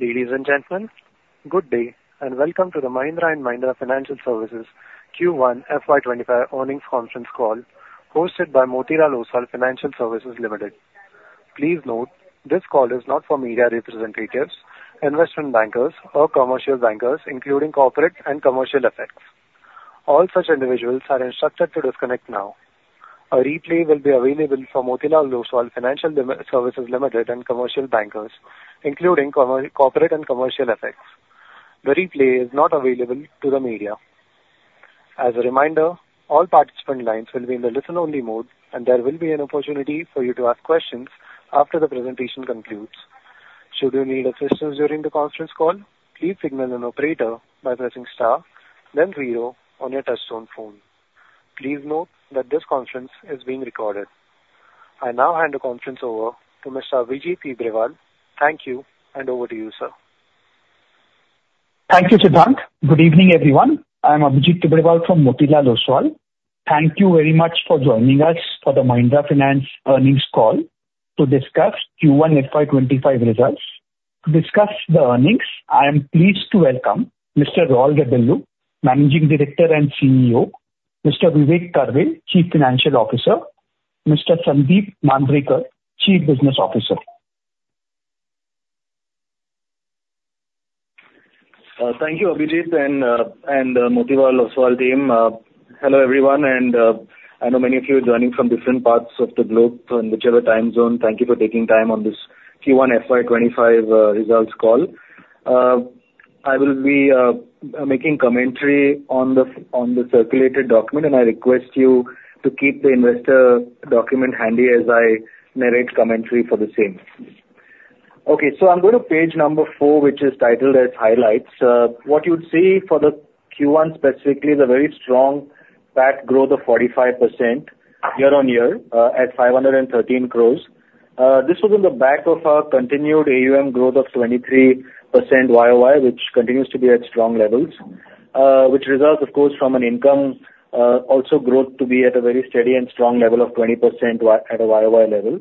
Ladies and gentlemen, good day and welcome to the Mahindra & Mahindra Financial Services Q1 FY25 earnings conference call hosted by Motilal Oswal Financial Services Limited. Please note, this call is not for media representatives, investment bankers, or commercial bankers, including corporate and commercial affiliates. All such individuals are instructed to disconnect now. A replay will be available for Motilal Oswal Financial Services Limited and commercial bankers, including corporate and commercial affiliates. The replay is not available to the media. As a reminder, all participant lines will be in the listen-only mode, and there will be an opportunity for you to ask questions after the presentation concludes. Should you need assistance during the conference call, please signal an operator by pressing star, then zero on your touchtone phone. Please note that this conference is being recorded. I now hand the conference over to Mr. Abhijit Tibrewal. Thank you, and over to you, sir. Thank you, Chithak. Good evening, everyone. I'm Abhijit Tibrewal from Motilal Oswal. Thank you very much for joining us for the Mahindra & Mahindra Financial earnings call to discuss Q1 FY25 results. To discuss the earnings, I am pleased to welcome Mr. Raul Rebello, Managing Director & CEO, Mr. Vivek Karve, Chief Financial Officer, Mr. Sandeep Mandrekar, Chief BusinessOfficer. Thank you, Abhijit and the Motilal Oswal team. Hello, everyone. I know many of you are joining from different parts of the globe in whichever time zone. Thank you for taking time on this Q1 FY25 results call. I will be making commentary on the circulated document, and I request you to keep the investor document handy as I narrate commentary for the same. Okay, so I'm going to page number four, which is titled as Highlights. What you'd see for the Q1 specifically is a very strong PAT growth of 45% year-on-year at 513 crore. This was in the back of our continued AUM growth of 23% YOY, which continues to be at strong levels, which results, of course, from an income also growth to be at a very steady and strong level of 20% at a YOY level.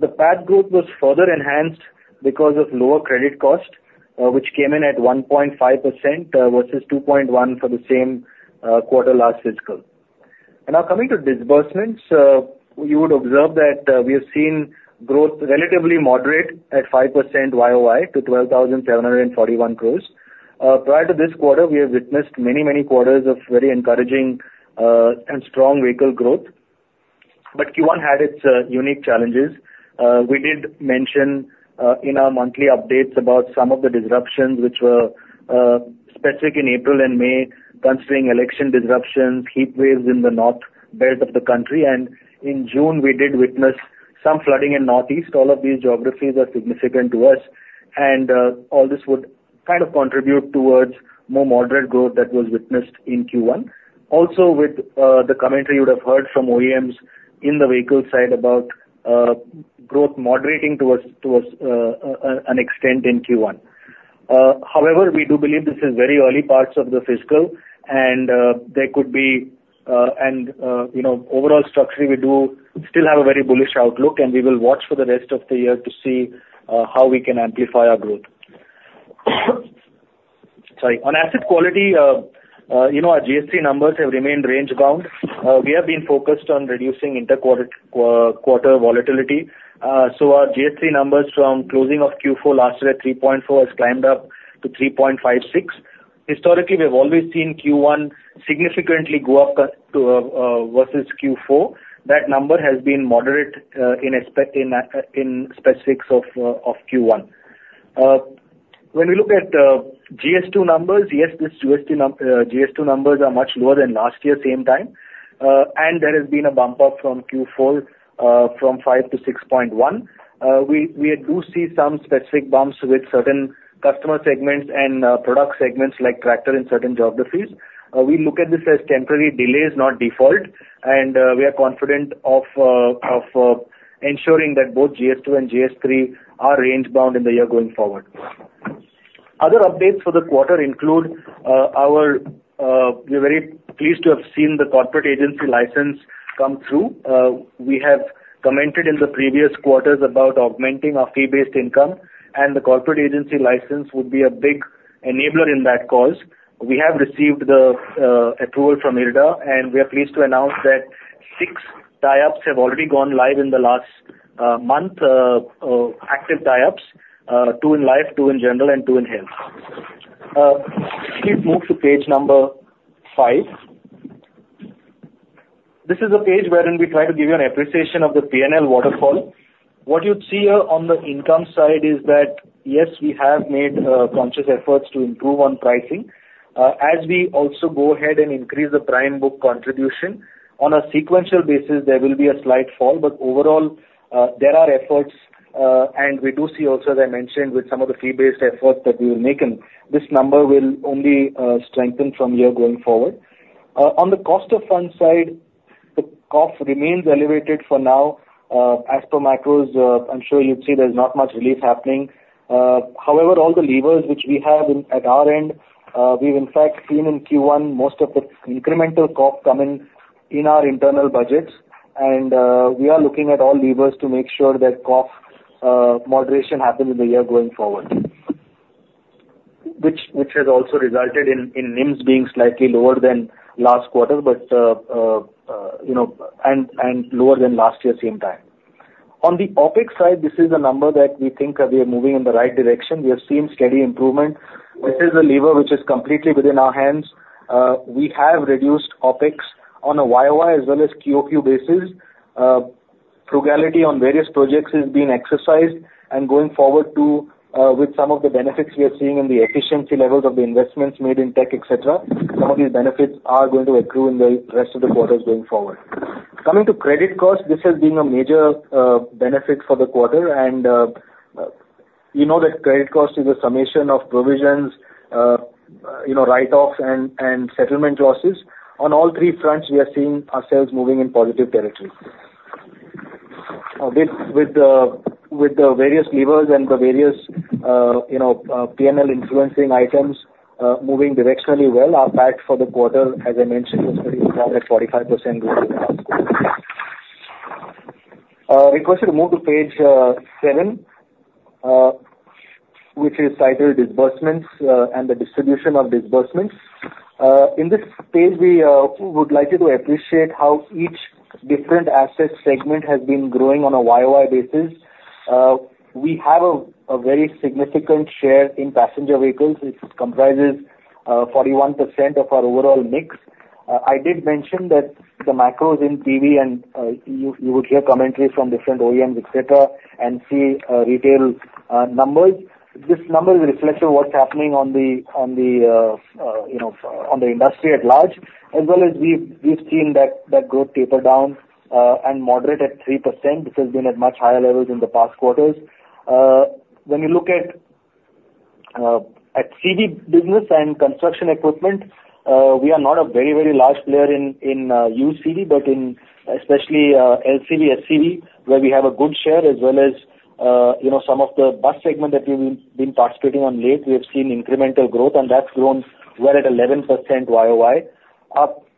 The PAT growth was further enhanced because of lower credit cost, which came in at 1.5% versus 2.1% for the same quarter last fiscal. Now coming to disbursements, you would observe that we have seen growth relatively moderate at 5% YOY to 12,741 crore. Prior to this quarter, we have witnessed many, many quarters of very encouraging and strong vehicle growth. Q1 had its unique challenges. We did mention in our monthly updates about some of the disruptions, which were specific in April and May, considering election disruptions, heat waves in the North belt of the country. In June, we did witness some flooding in Northeast. All of these geographies are significant to us. All this would kind of contribute towards more moderate growth that was witnessed in Q1. Also, with the commentary you would have heard from OEMs in the vehicle side about growth moderating to an extent in Q1. However, we do believe this is very early parts of the fiscal, and there could be an overall structure. We do still have a very bullish outlook, and we will watch for the rest of the year to see how we can amplify our growth. Sorry. On asset quality, our GS2 numbers have remained range-bound. We have been focused on reducing interquarter volatility. So our GS2 numbers from closing of Q4 last year at 3.4% have climbed up to 3.56%. Historically, we have always seen Q1 significantly go up versus Q4. That number has been moderate in specifics of Q1. When we look at GS2 numbers, yes, these GS2 numbers are much lower than last year, same time. There has been a bump up from Q4 from 5% to 6.1%. We do see some specific bumps with certain customer segments and product segments like tractor in certain geographies. We look at this as temporary delays, not default. We are confident of ensuring that both GS2 and GS3 are range-bound in the year going forward. Other updates for the quarter include we're very pleased to have seen the corporate agency license come through. We have commented in the previous quarters about augmenting our fee-based income, and the corporate agency license would be a big enabler in that cause. We have received the approval from IRDAI, and we are pleased to announce that 6 tie-ups have already gone live in the last month, active tie-ups, 2 in life, 2 in general, and 2 in health. Please move to page number 5. This is a page wherein we try to give you an appreciation of the P&L waterfall. What you'd see on the income side is that, yes, we have made conscious efforts to improve on pricing. As we also go ahead and increase the prime book contribution, on a sequential basis, there will be a slight fall. But overall, there are efforts, and we do see also, as I mentioned, with some of the fee-based efforts that we will make, and this number will only strengthen from year going forward. On the cost of funds side, the COF remains elevated for now. As per macros, I'm sure you'd see there's not much relief happening. However, all the levers which we have at our end, we've, in fact, seen in Q1 most of the incremental COF come in our internal budgets. We are looking at all levers to make sure that COF moderation happens in the year going forward, which has also resulted in NIMs being slightly lower than last quarter and lower than last year, same time. On the OPEX side, this is a number that we think we are moving in the right direction. We have seen steady improvement. This is a lever which is completely within our hands. We have reduced OPEX on a YOY as well as QOQ basis. Frugality on various projects is being exercised. And going forward, with some of the benefits we are seeing in the efficiency levels of the investments made in tech, etc., some of these benefits are going to accrue in the rest of the quarters going forward. Coming to credit costs, this has been a major benefit for the quarter. You know that credit cost is a summation of provisions, write-offs, and settlement losses. On all three fronts, we are seeing ourselves moving in positive territory. With the various levers and the various P&L influencing items moving directionally well, our PAT for the quarter, as I mentioned, was pretty strong at 45%. I request you to move to page 7, which is titled Disbursements and the Distribution of Disbursements. In this page, we would like you to appreciate how each different asset segment has been growing on a year-over-year basis. We have a very significant share in passenger vehicles. It comprises 41% of our overall mix. I did mention that the macros in PV, and you would hear commentary from different OEMs, etc., and see retail numbers. This number reflects what's happening on the industry at large, as well as we've seen that growth taper down and moderate at 3%. This has been at much higher levels in the past quarters. When you look at CV business and construction equipment, we are not a very, very large player in used CV, but especially LCV, SCV, where we have a good share, as well as some of the bus segment that we've been participating on late. We have seen incremental growth, and that's grown well at 11% YOY.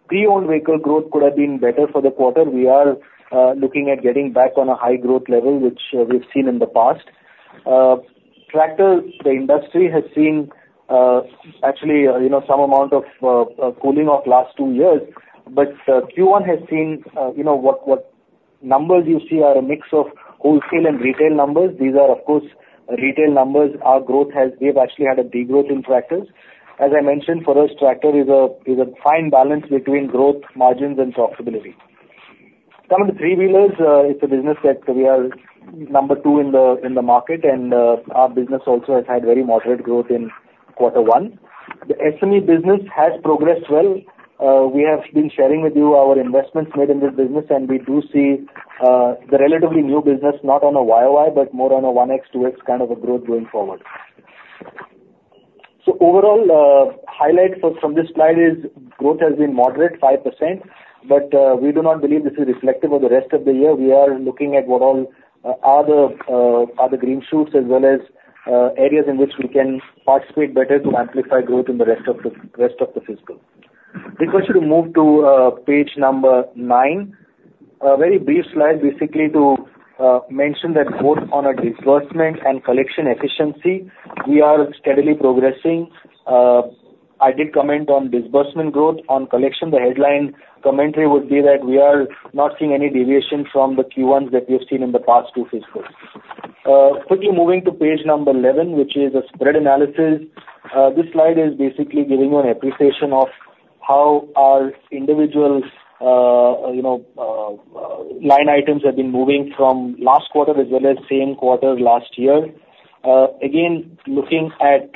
Pre-owned vehicle growth could have been better for the quarter. We are looking at getting back on a high growth level, which we've seen in the past. Tractor, the industry has seen actually some amount of cooling off last two years. But Q1 has seen what numbers you see are a mix of wholesale and retail numbers. These are, of course, retail numbers. Our growth has—we've actually had a degrowth in tractors. As I mentioned, for us, tractor is a fine balance between growth, margins, and profitability. Coming to three-wheelers, it's a business that we are number 2 in the market, and our business also has had very moderate growth in quarter one. The SME business has progressed well. We have been sharing with you our investments made in this business, and we do see the relatively new business, not on a YOY, but more on a 1x, 2x kind of a growth going forward. So overall, highlight from this slide is growth has been moderate, 5%. But we do not believe this is reflective of the rest of the year. We are looking at what all are the green shoots, as well as areas in which we can participate better to amplify growth in the rest of the fiscal. Request you to move to page number 9. A very brief slide, basically to mention that both on a disbursement and collection efficiency, we are steadily progressing. I did comment on disbursement growth. On collection, the headline commentary would be that we are not seeing any deviation from the Q1s that we have seen in the past two fiscals. Quickly moving to page number 11, which is a spread analysis. This slide is basically giving you an appreciation of how our individual line items have been moving from last quarter as well as same quarter last year. Again, looking at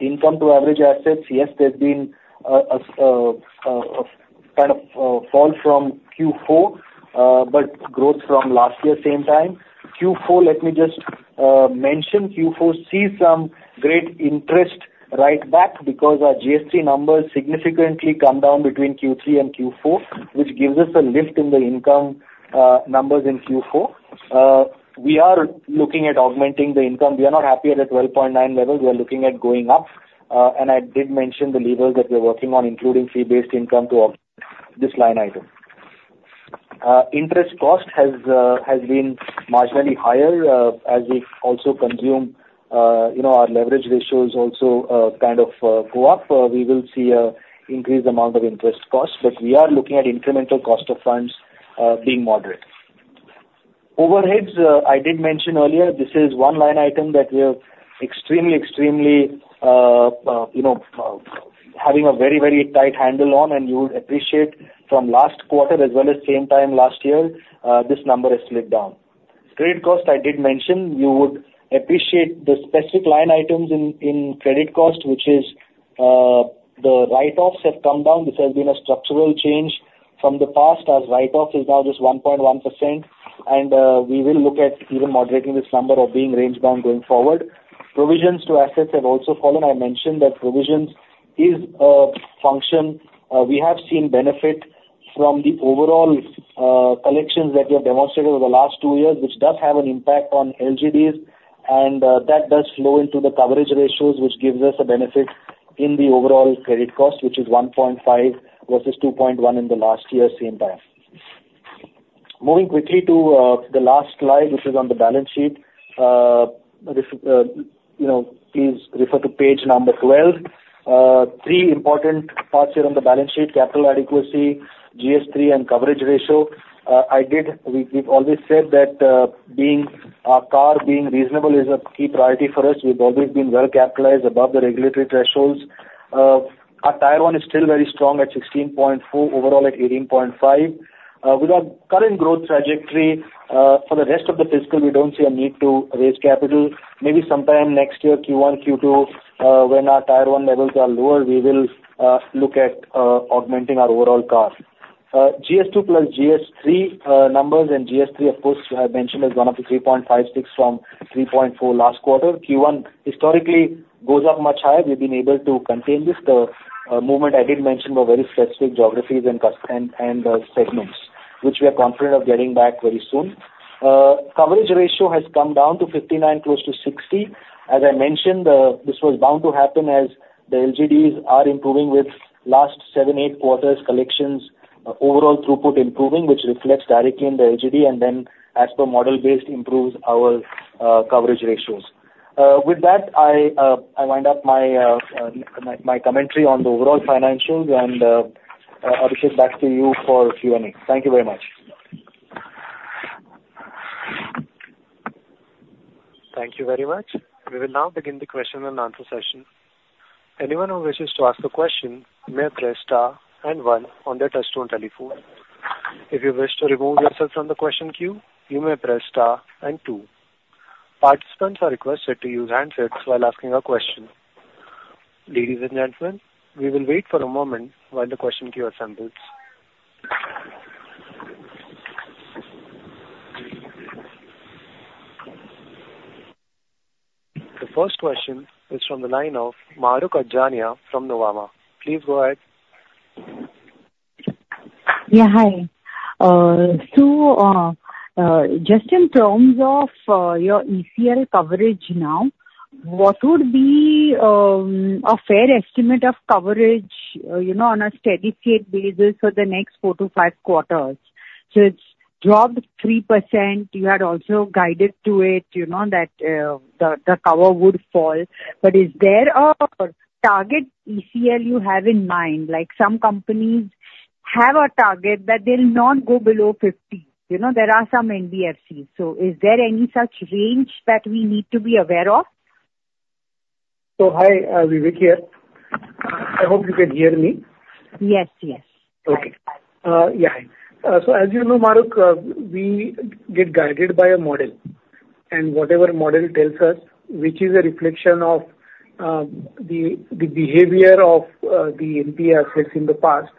income to average assets, yes, there's been a kind of fall from Q4, but growth from last year, same time. Q4, let me just mention, Q4 sees some great interest right back because our GST numbers significantly come down between Q3 and Q4, which gives us a lift in the income numbers in Q4. We are looking at augmenting the income. We are not happy at a 12.9% level. We are looking at going up. And I did mention the levers that we're working on, including fee-based income, to augment this line item. Interest cost has been marginally higher as we also consume our leverage ratios also kind of go up. We will see an increased amount of interest cost. But we are looking at incremental cost of funds being moderate. Overheads, I did mention earlier. This is one line item that we are extremely, extremely having a very, very tight handle on, and you would appreciate from last quarter as well as same time last year, this number has slid down. Credit cost, I did mention. You would appreciate the specific line items in credit cost, which is the write-offs have come down. This has been a structural change from the past, as write-offs is now just 1.1%. And we will look at even moderating this number or being range-bound going forward. Provisions to assets have also fallen. I mentioned that provisions is a function we have seen benefit from the overall collections that we have demonstrated over the last two years, which does have an impact on LGDs. That does flow into the coverage ratios, which gives us a benefit in the overall credit cost, which is 1.5% versus 2.1% in the last year, same time. Moving quickly to the last slide, which is on the balance sheet. Please refer to page number 12. Three important parts here on the balance sheet: capital adequacy, GS3, and coverage ratio. We've always said that our CAR being reasonable is a key priority for us. We've always been well capitalized above the regulatory thresholds. Our Tier 1 is still very strong at 16.4%, overall at 18.5%. With our current growth trajectory, for the rest of the fiscal, we don't see a need to raise capital. Maybe sometime next year, Q1, Q2, when our Tier 1 levels are lower, we will look at augmenting our overall CAR. GS2 plus GS3 numbers and GS3, of course, I mentioned as one of the 3.56% from 3.4% last quarter. Q1 historically goes up much higher. We've been able to contain this. The movement I did mention were very specific geographies and segments, which we are confident of getting back very soon. Coverage ratio has come down to 59%, close to 60%. As I mentioned, this was bound to happen as the LGDs are improving with last 7, 8 quarters' collections, overall throughput improving, which reflects directly in the LGD, and then, as per model-based, improves our coverage ratios. With that, I wind up my commentary on the overall financials, and I'll shift back to you for Q&A. Thank you very much. Thank you very much. We will now begin the question and answer session. Anyone who wishes to ask a question may press star and one on their touch-tone telephone. If you wish to remove yourself from the question queue, you may press star and two. Participants are requested to use handsets while asking a question. Ladies and gentlemen, we will wait for a moment while the question queue assembles. The first question is from the line of Maharukh Adajania from Nuvama. Please go ahead. Yeah, hi. So just in terms of your ECL coverage now, what would be a fair estimate of coverage on a steady-state basis for the next four to five quarters? So it's dropped 3%. You had also guided to it that the cover would fall. But is there a target ECL you have in mind? Some companies have a target that they'll not go below 50. There are some NBFCs. So is there any such range that we need to be aware of? So hi, Vivek here. I hope you can hear me. Yes, yes. Okay. Yeah. So as you know, Maharukh, we get guided by a model. And whatever model tells us, which is a reflection of the behavior of the NP assets in the past,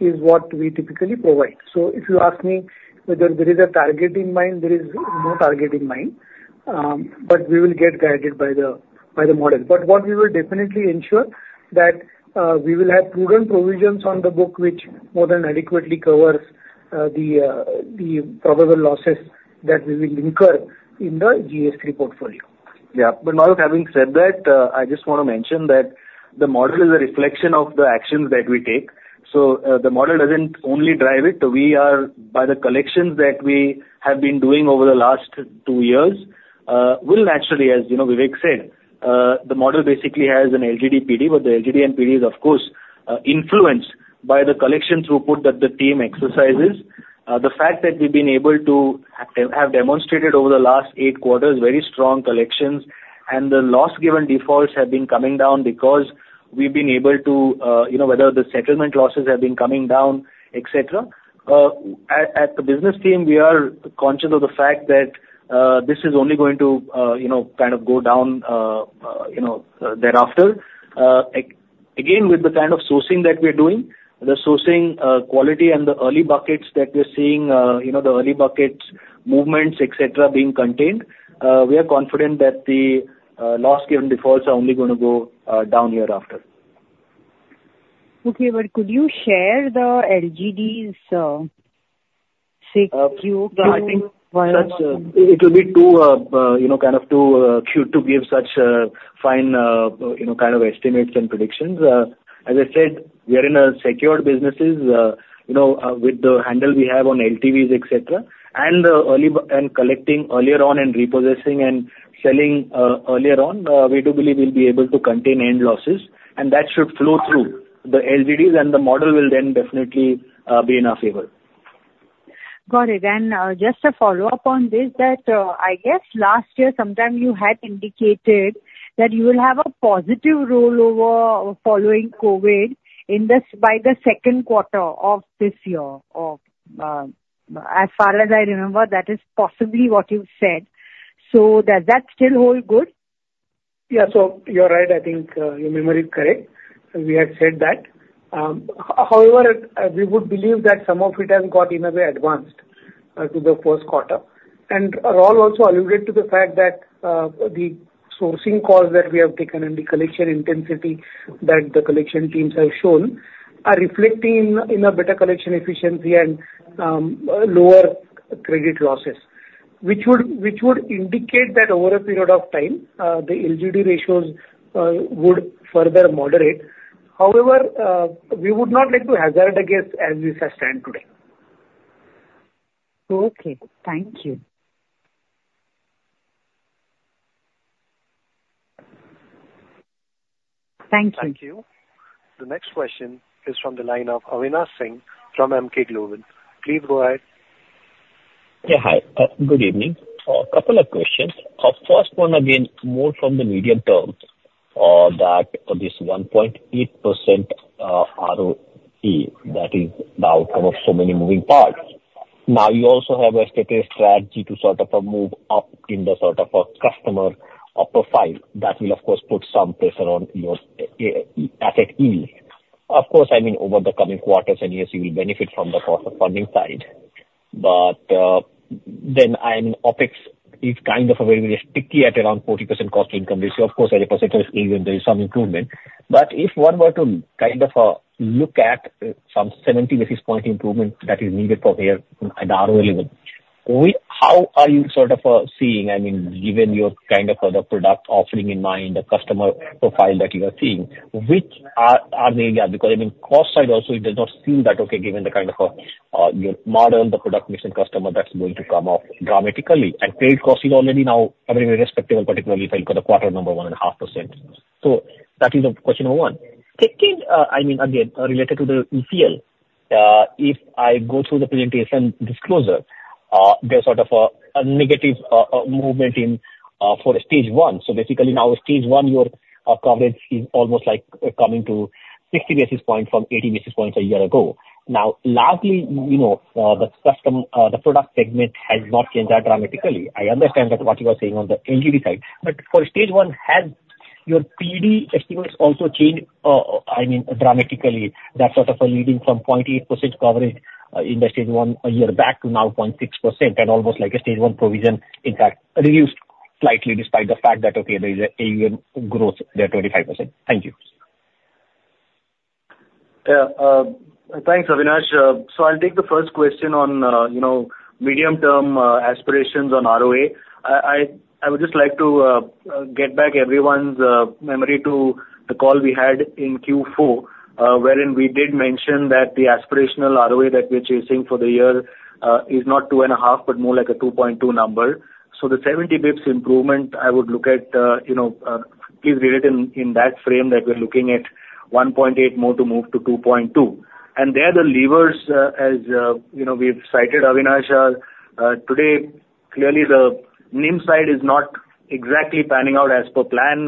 is what we typically provide. So if you ask me whether there is a target in mind, there is no target in mind. But we will get guided by the model. But what we will definitely ensure is that we will have prudent provisions on the book, which more than adequately covers the probable losses that we will incur in the GS3 portfolio. Yeah. But Maharukh, having said that, I just want to mention that the model is a reflection of the actions that we take. So the model doesn't only drive it. We are, by the collections that we have been doing over the last two years, will naturally, as Vivek said, the model basically has an LGD PD, but the LGD and PD is, of course, influenced by the collection throughput that the team exercises. The fact that we've been able to have demonstrated over the last eight quarters very strong collections, and the loss-given defaults have been coming down because we've been able to, whether the settlement losses have been coming down, etc. At the business team, we are conscious of the fact that this is only going to kind of go down thereafter. Again, with the kind of sourcing that we're doing, the sourcing quality and the early buckets that we're seeing, the early bucket movements, etc., being contained, we are confident that the loss-given defaults are only going to go down hereafter. Okay. Could you share the LGD estimates while? It will be kind of too cute to give such fine kind of estimates and predictions. As I said, we are in a secured business with the handle we have on LTVs, etc. Collecting earlier on and repossessing and selling earlier on, we do believe we'll be able to contain net losses. And that should flow through the LGDs, and the model will then definitely be in our favor. Got it. Just a follow-up on this, I guess last year sometime you had indicated that you will have a positive rollover following COVID by the second quarter of this year. As far as I remember, that is possibly what you've said. So does that still hold good? Yeah. You're right. I think your memory is correct. We have said that. However, we would believe that some of it has gotten a bit advanced to the first quarter. Raul also alluded to the fact that the sourcing calls that we have taken and the collection intensity that the collection teams have shown are reflecting in a better collection efficiency and lower credit losses, which would indicate that over a period of time, the LGD ratios would further moderate. However, we would not like to hazard against as we sustain today. Okay. Thank you. Thank you. Thank you. The next question is from the line of Avinash Singh from MK Global. Please go ahead. Yeah. Hi. Good evening. A couple of questions. First one again, more from the medium term that this 1.8% ROE, that is the outcome of so many moving parts. Now, you also have a strategy to sort of move up in the sort of customer profile that will, of course, put some pressure on your asset yield. Of course, I mean, over the coming quarters and years, you will benefit from the cost of funding side. But then I mean, OPEX is kind of very, very sticky at around 40% cost to income ratio. Of course, as a percentage yield, there is some improvement. But if one were to kind of look at some 70 basis point improvement that is needed for here at ROA level, how are you sort of seeing, I mean, given your kind of the product offering in mind, the customer profile that you are seeing, which are the areas? Because I mean, cost side also, it does not seem that okay given the kind of your model, the product mission customer that's going to come up dramatically. And credit cost is already now very respectable, particularly for the quarter number, 1.5%. So that is question number one. Second, I mean, again, related to the ECL, if I go through the presentation disclosure, there's sort of a negative movement for stage one. So basically, now stage one, your coverage is almost like coming to 60 basis points from 80 basis points a year ago. Now, lastly, the product segment has not changed that dramatically. I understand that what you are saying on the LGD side. But for stage one, has your PD estimates also changed, I mean, dramatically? That sort of leading from 0.8% coverage in the Stage 1 a year back to now 0.6% and almost like a Stage 1 provision, in fact, reduced slightly despite the fact that, okay, there is an AUM growth there at 25%. Thank you. Thanks, Avinash. So I'll take the first question on medium-term aspirations on ROA. I would just like to get back everyone's memory to the call we had in Q4, wherein we did mention that the aspirational ROA that we're chasing for the year is not 2.5, but more like a 2.2 number. So the 70 basis points improvement, I would look at, please read it in that frame that we're looking at 1.8 more to move to 2.2. And there are the levers, as we've cited, Avinash. Today, clearly, the NIM side is not exactly panning out as per plan.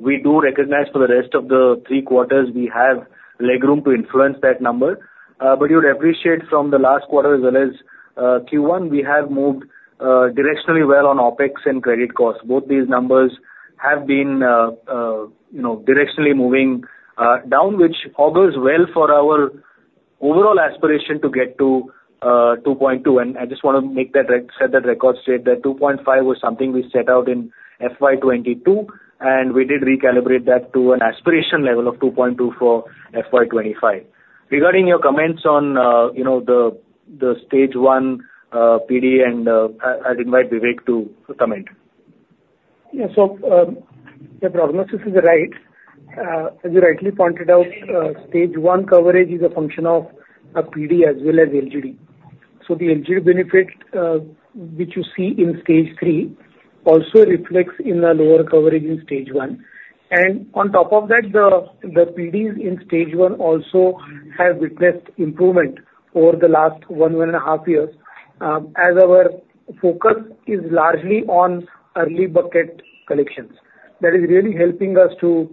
We do recognize for the rest of the three quarters, we have legroom to influence that number. But you'd appreciate, from the last quarter as well as Q1, we have moved directionally well on OPEX and credit cost. Both these numbers have been directionally moving down, which augurs well for our overall aspiration to get to 2.2. I just want to set that record straight that 2.5 was something we set out in FY2022, and we did recalibrate that to an aspiration level of 2.2 for FY2025. Regarding your comments on the stage one PD, I'd invite Vivek to comment. Yeah. So the prognosis is right. As you rightly pointed out, stage one coverage is a function of PD as well as LGD. So the LGD benefit, which you see in stage three, also reflects in the lower coverage in stage one. On top of that, the PDs in stage one also have witnessed improvement over the last 1-1.5 years, as our focus is largely on early bucket collections. That is really helping us to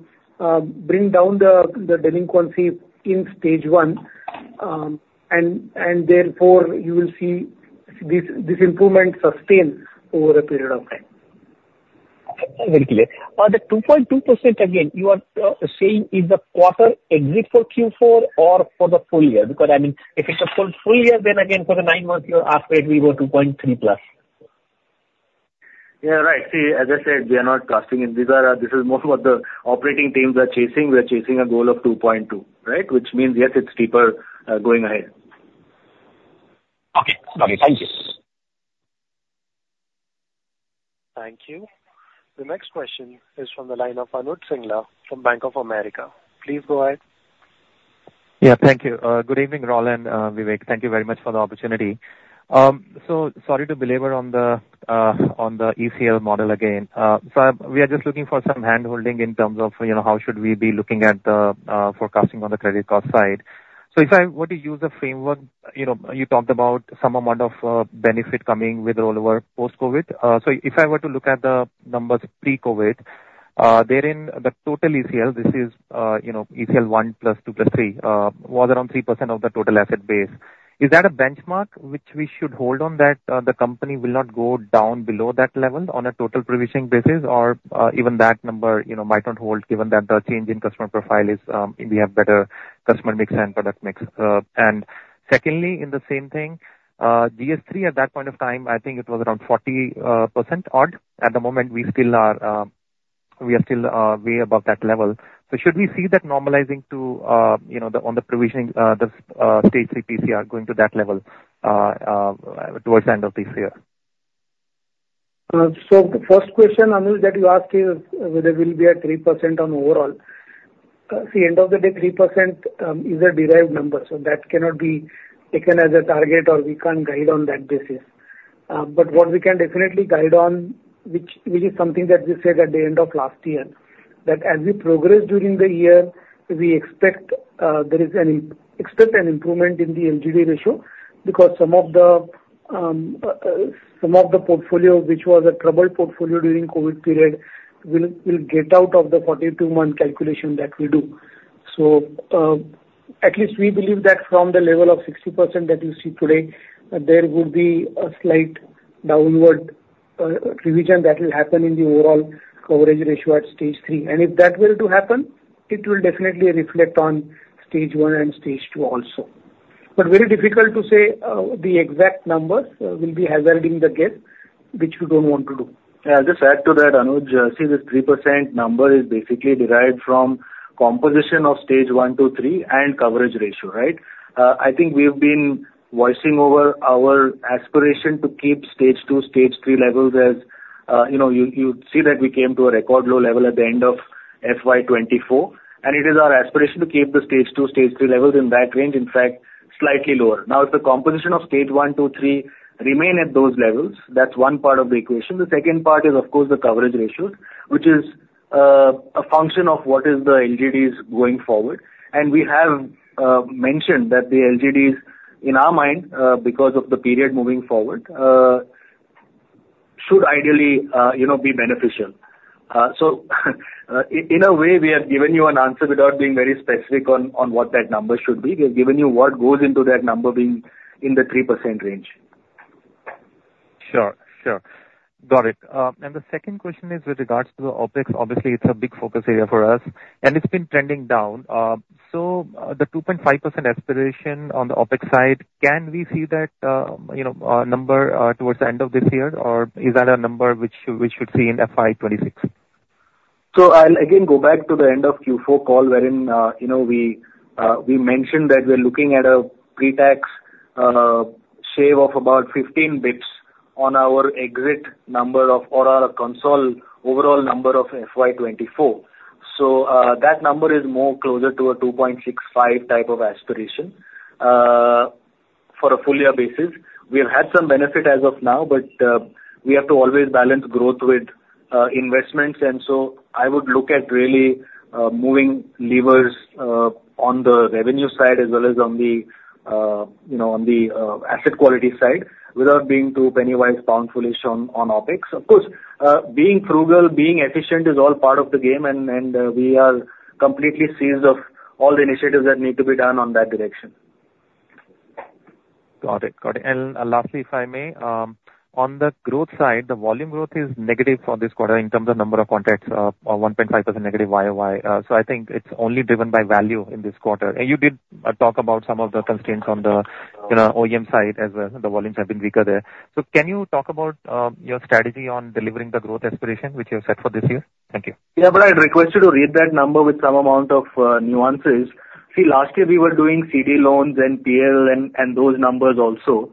bring down the delinquency in stage one. And therefore, you will see this improvement sustain over a period of time. Very clear. The 2.2%, again, you are saying is the quarter exit for Q4 or for the full year? Because, I mean, if it's a full year, then again, for the nine-month year after it, we were 2.3%+. Yeah. Right. See, as I said, we are not casting in. This is more what the operating teams are chasing. We are chasing a goal of 2.2%, right? Which means, yes, it's steeper going ahead. Okay. Okay. Thank you. Thank you. The next question is from the line of Gaurav Singhla from Bank of America. Please go ahead. Yeah. Thank you. Good evening, Raul and Vivek. Thank you very much for the opportunity. So sorry to belabor on the ECL model again. So we are just looking for some handholding in terms of how should we be looking at the forecasting on the credit cost side? So if I were to use a framework, you talked about some amount of benefit coming with rollover post-COVID. So if I were to look at the numbers pre-COVID, therein the total ECL, this is ECL 1 + 2 + 3, was around 3% of the total asset base. Is that a benchmark which we should hold on that the company will not go down below that level on a total provisioning basis, or even that number might not hold given that the change in customer profile is we have better customer mix and product mix? And secondly, in the same thing, GS3 at that point of time, I think it was around 40% odd. At the moment, we are still way above that level. So should we see that normalizing to on the provisioning, the stage three PCR going to that level towards the end of this year? So the first question, Gaurav, that you asked is whether it will be at 3% on overall. See, end of the day, 3% is a derived number. So that cannot be taken as a target or we can't guide on that basis. But what we can definitely guide on, which is something that we said at the end of last year, that as we progress during the year, we expect an improvement in the LGD ratio because some of the portfolio, which was a troubled portfolio during the COVID period, will get out of the 42-month calculation that we do. So at least we believe that from the level of 60% that you see today, there would be a slight downward revision that will happen in the overall coverage ratio at stage three. And if that were to happen, it will definitely reflect on stage one and stage two also. But very difficult to say the exact numbers will be hazarding a guess, which we don't want to do. Yeah. I'll just add to that, Gaurav. See, this 3% number is basically derived from composition of stage one to three and coverage ratio, right? I think we've been voicing over our aspiration to keep stage two, stage three levels as you'd see that we came to a record low level at the end of FY2024. And it is our aspiration to keep the stage two, stage three levels in that range, in fact, slightly lower. Now, if the composition of stage one, two, three remain at those levels, that's one part of the equation. The second part is, of course, the coverage ratios, which is a function of what is the LGDs going forward. And we have mentioned that the LGDs, in our mind, because of the period moving forward, should ideally be beneficial. So in a way, we have given you an answer without being very specific on what that number should be. We have given you what goes into that number being in the 3% range. Sure. Sure. Got it. And the second question is with regard to the OPEX. Obviously, it's a big focus area for us, and it's been trending down. So the 2.5% aspiration on the OPEX side, can we see that number towards the end of this year, or is that a number which we should see in FY26? So I'll again go back to the end of Q4 call, wherein we mentioned that we're looking at a pretax shave of about 15 basis points on our exit number or our consolidated overall number of FY24. So that number is more closer to a 2.65 type of aspiration for a full-year basis. We have had some benefit as of now, but we have to always balance growth with investments. And so I would look at really moving levers on the revenue side as well as on the asset quality side without being too pennywise, poundful-ish on OPEX. Of course, being frugal, being efficient is all part of the game, and we are completely seized of all the initiatives that need to be done on that direction. Got it. Got it. And lastly, if I may, on the growth side, the volume growth is negative for this quarter in terms of number of contracts, 1.5% negative YOY. So I think it's only driven by value in this quarter. And you did talk about some of the constraints on the OEM side as well. The volumes have been weaker there. So can you talk about your strategy on delivering the growth aspiration which you have set for this year? Thank you. Yeah. But I'd request you to read that number with some amount of nuances. See, last year, we were doing CD loans and PL and those numbers also,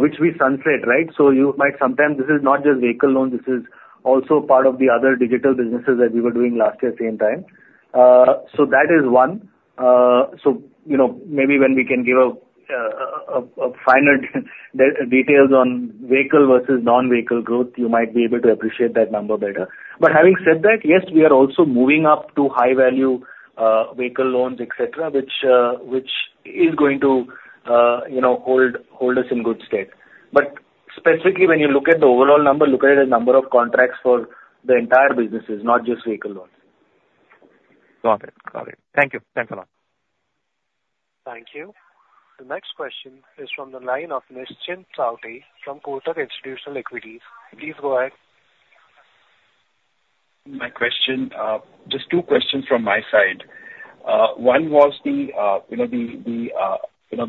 which we sunset, right? So you might sometimes this is not just vehicle loans. This is also part of the other digital businesses that we were doing last year at the same time. So that is one. So maybe when we can give a finer details on vehicle versus non-vehicle growth, you might be able to appreciate that number better. But having said that, yes, we are also moving up to high-value vehicle loans, etc., which is going to hold us in good stead. But specifically, when you look at the overall number, look at it as number of contracts for the entire businesses, not just vehicle loans. Got it. Got it. Thank you. Thanks a lot. Thank you. The next question is from the line of Nischint Chawathe from Kotak Institutional Equities. Please go ahead. My question, just two questions from my side. One was, do you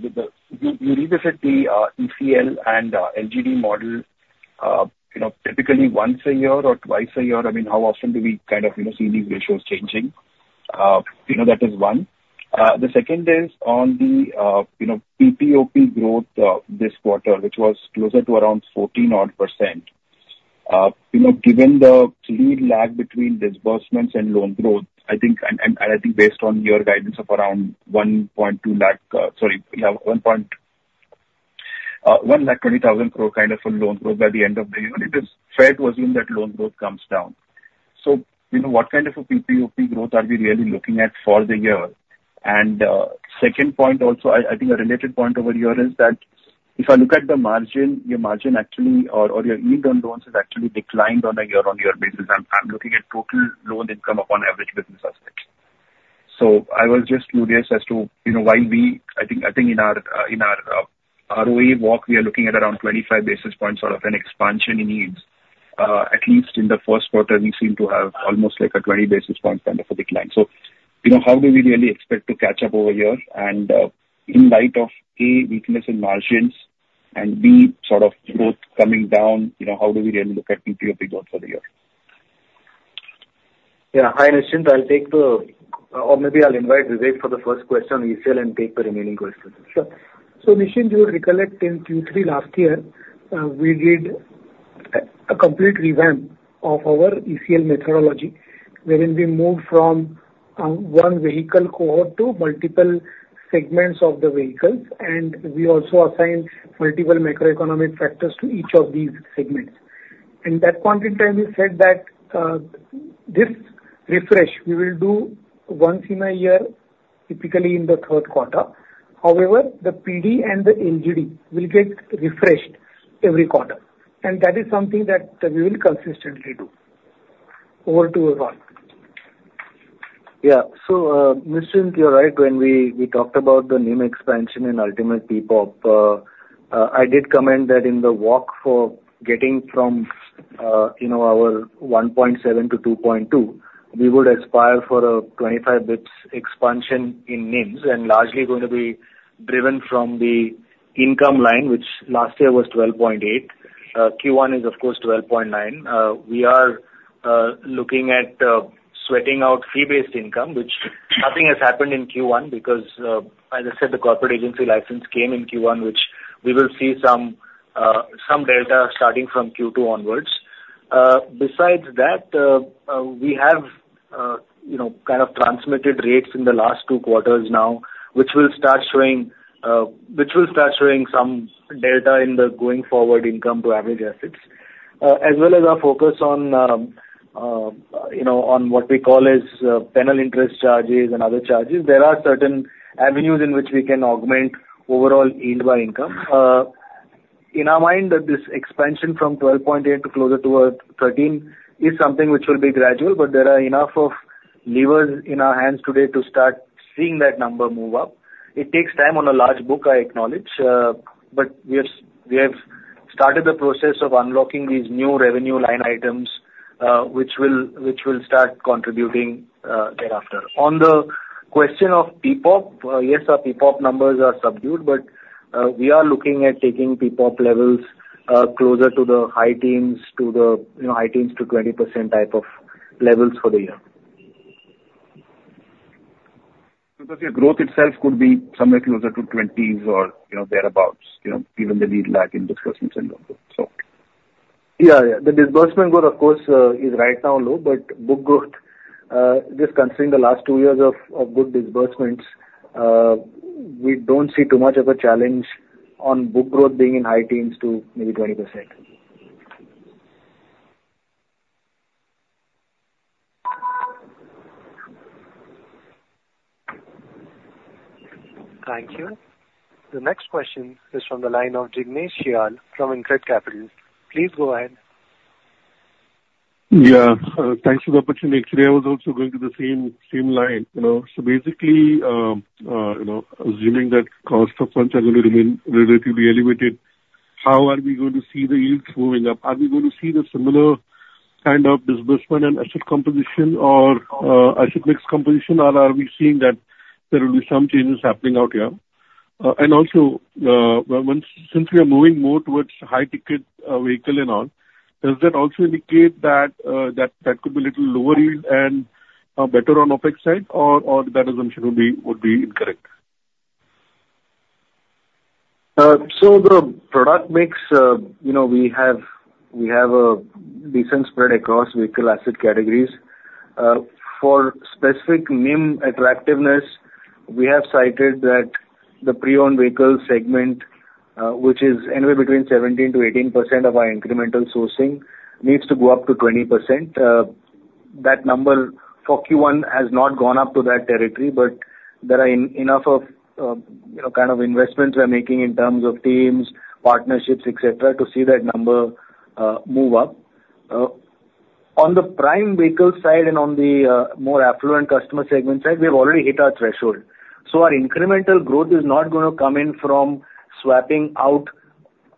revisit the ECL and LGD model typically once a year or twice a year. I mean, how often do we kind of see these ratios changing? That is one. The second is on the PPOP growth this quarter, which was closer to around 14-odd%. Given the lead lag between disbursements and loan growth, I think, and I think based on your guidance of around 1.2 lakh crore sorry, we have 120,000 crore kind of a loan growth by the end of the year. It is fair to assume that loan growth comes down. So what kind of a PPOP growth are we really looking at for the year? And second point also, I think a related point over here is that if I look at the margin, your margin actually, or your yield on loans has actually declined on a year-on-year basis. I'm looking at total loan income upon average business assets. So I was just curious as to why we, I think in our ROA walk, we are looking at around 25 basis points sort of an expansion in yields. At least in the first quarter, we seem to have almost like a 20 basis point kind of a decline. So how do we really expect to catch up over here? And in light of, A, weakness in margins, and B, sort of growth coming down, how do we really look at PPOP growth for the year? Yeah. Hi, Nishchand. I'll take the, or maybe I'll invite Vivek for the first question on ECL and take the remaining questions. Sure. So, Nishchand, you recollect in Q3 last year, we did a complete revamp of our ECL methodology, wherein we moved from one vehicle cohort to multiple segments of the vehicles, and we also assigned multiple macroeconomic factors to each of these segments. In that point in time, we said that this refresh, we will do once in a year, typically in the third quarter. However, the PD and the LGD will get refreshed every quarter. And that is something that we will consistently do over to overall. Yeah. So, Nishchand, you're right. When we talked about the NIM expansion and ultimate PPOP, I did comment that in the walk for getting from our 1.7 to 2.2, we would aspire for a 25 bps expansion in NIMs and largely going to be driven from the income line, which last year was 12.8. Q1 is, of course, 12.9. We are looking at sweating out fee-based income, which nothing has happened in Q1 because, as I said, the corporate agency license came in Q1, which we will see some delta starting from Q2 onwards. Besides that, we have kind of transmitted rates in the last two quarters now, which will start showing which will start showing some delta in the going forward income to average assets, as well as our focus on what we call as penal interest charges and other charges. There are certain avenues in which we can augment overall yield by income. In our mind, this expansion from 12.8 to closer to 13 is something which will be gradual, but there are enough of levers in our hands today to start seeing that number move up. It takes time on a large book, I acknowledge, but we have started the process of unlocking these new revenue line items, which will start contributing thereafter. On the question of PPOP, yes, our PPOP numbers are subdued, but we are looking at taking PPOP levels closer to the high teens, to the high teens to 20% type of levels for the year. Because your growth itself could be somewhere closer to 20s or thereabouts, given the lead lag in disbursements and loans also. Yeah. Yeah. The disbursement growth, of course, is right now low, but book growth, just considering the last two years of good disbursements, we don't see too much of a challenge on book growth being in high teens to maybe 20%. Thank you. The next question is from the line of Jignesh Shial from InCred Capital. Please go ahead. Yeah. Thanks for the opportunity. Actually, I was also going to the same line. So basically, assuming that cost of funds are going to remain relatively elevated, how are we going to see the yields moving up? Are we going to see the similar kind of disbursement and asset composition or asset mix composition, or are we seeing that there will be some changes happening out here? Also, since we are moving more towards high-ticket vehicle and all, does that also indicate that that could be a little lower yield and better on OPEX side, or that assumption would be incorrect? The product mix, we have a decent spread across vehicle asset categories. For specific NIM attractiveness, we have cited that the pre-owned vehicle segment, which is anywhere between 17%-18% of our incremental sourcing, needs to go up to 20%. That number for Q1 has not gone up to that territory, but there are enough of kind of investments we're making in terms of teams, partnerships, etc., to see that number move up. On the prime vehicle side and on the more affluent customer segment side, we've already hit our threshold. So our incremental growth is not going to come in from swapping out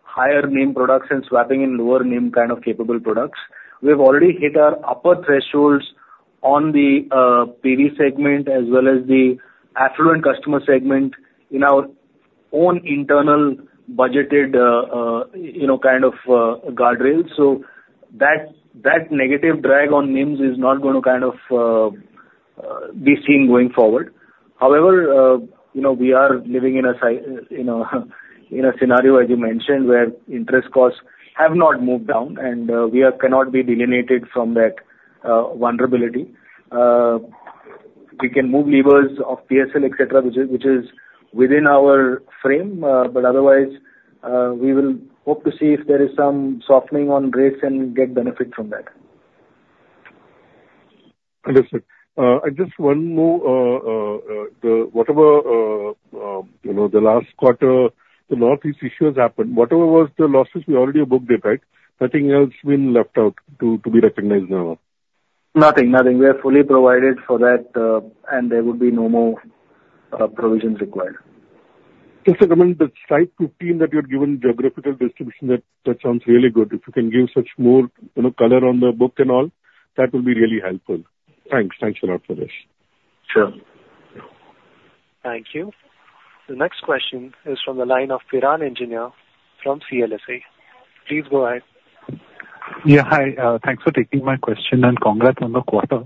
higher NIM products and swapping in lower NIM kind of capable products. We've already hit our upper thresholds on the PV segment as well as the affluent customer segment in our own internal budgeted kind of guardrails. So that negative drag on NIMs is not going to kind of be seen going forward. However, we are living in a scenario, as you mentioned, where interest costs have not moved down, and we cannot be delinked from that vulnerability. We can move levers of PSL, etc., which is within our frame, but otherwise, we will hope to see if there is some softening on rates and get benefit from that. Understood. And just one more, whatever the last quarter, the Northeast issues happened, whatever was the losses we already booked, right? Nothing else been left out to be recognized now? Nothing. Nothing. We are fully provided for that, and there would be no more provisions required. Just a comment, the slide 15 that you had given, geographical distribution, that sounds really good. If you can give such more color on the book and all, that would be really helpful. Thanks. Thanks a lot for this. Sure. Thank you. The next question is from the line of Piran Engineer from CLSA. Please go ahead. Yeah. Hi. Thanks for taking my question and congrats on the quarter.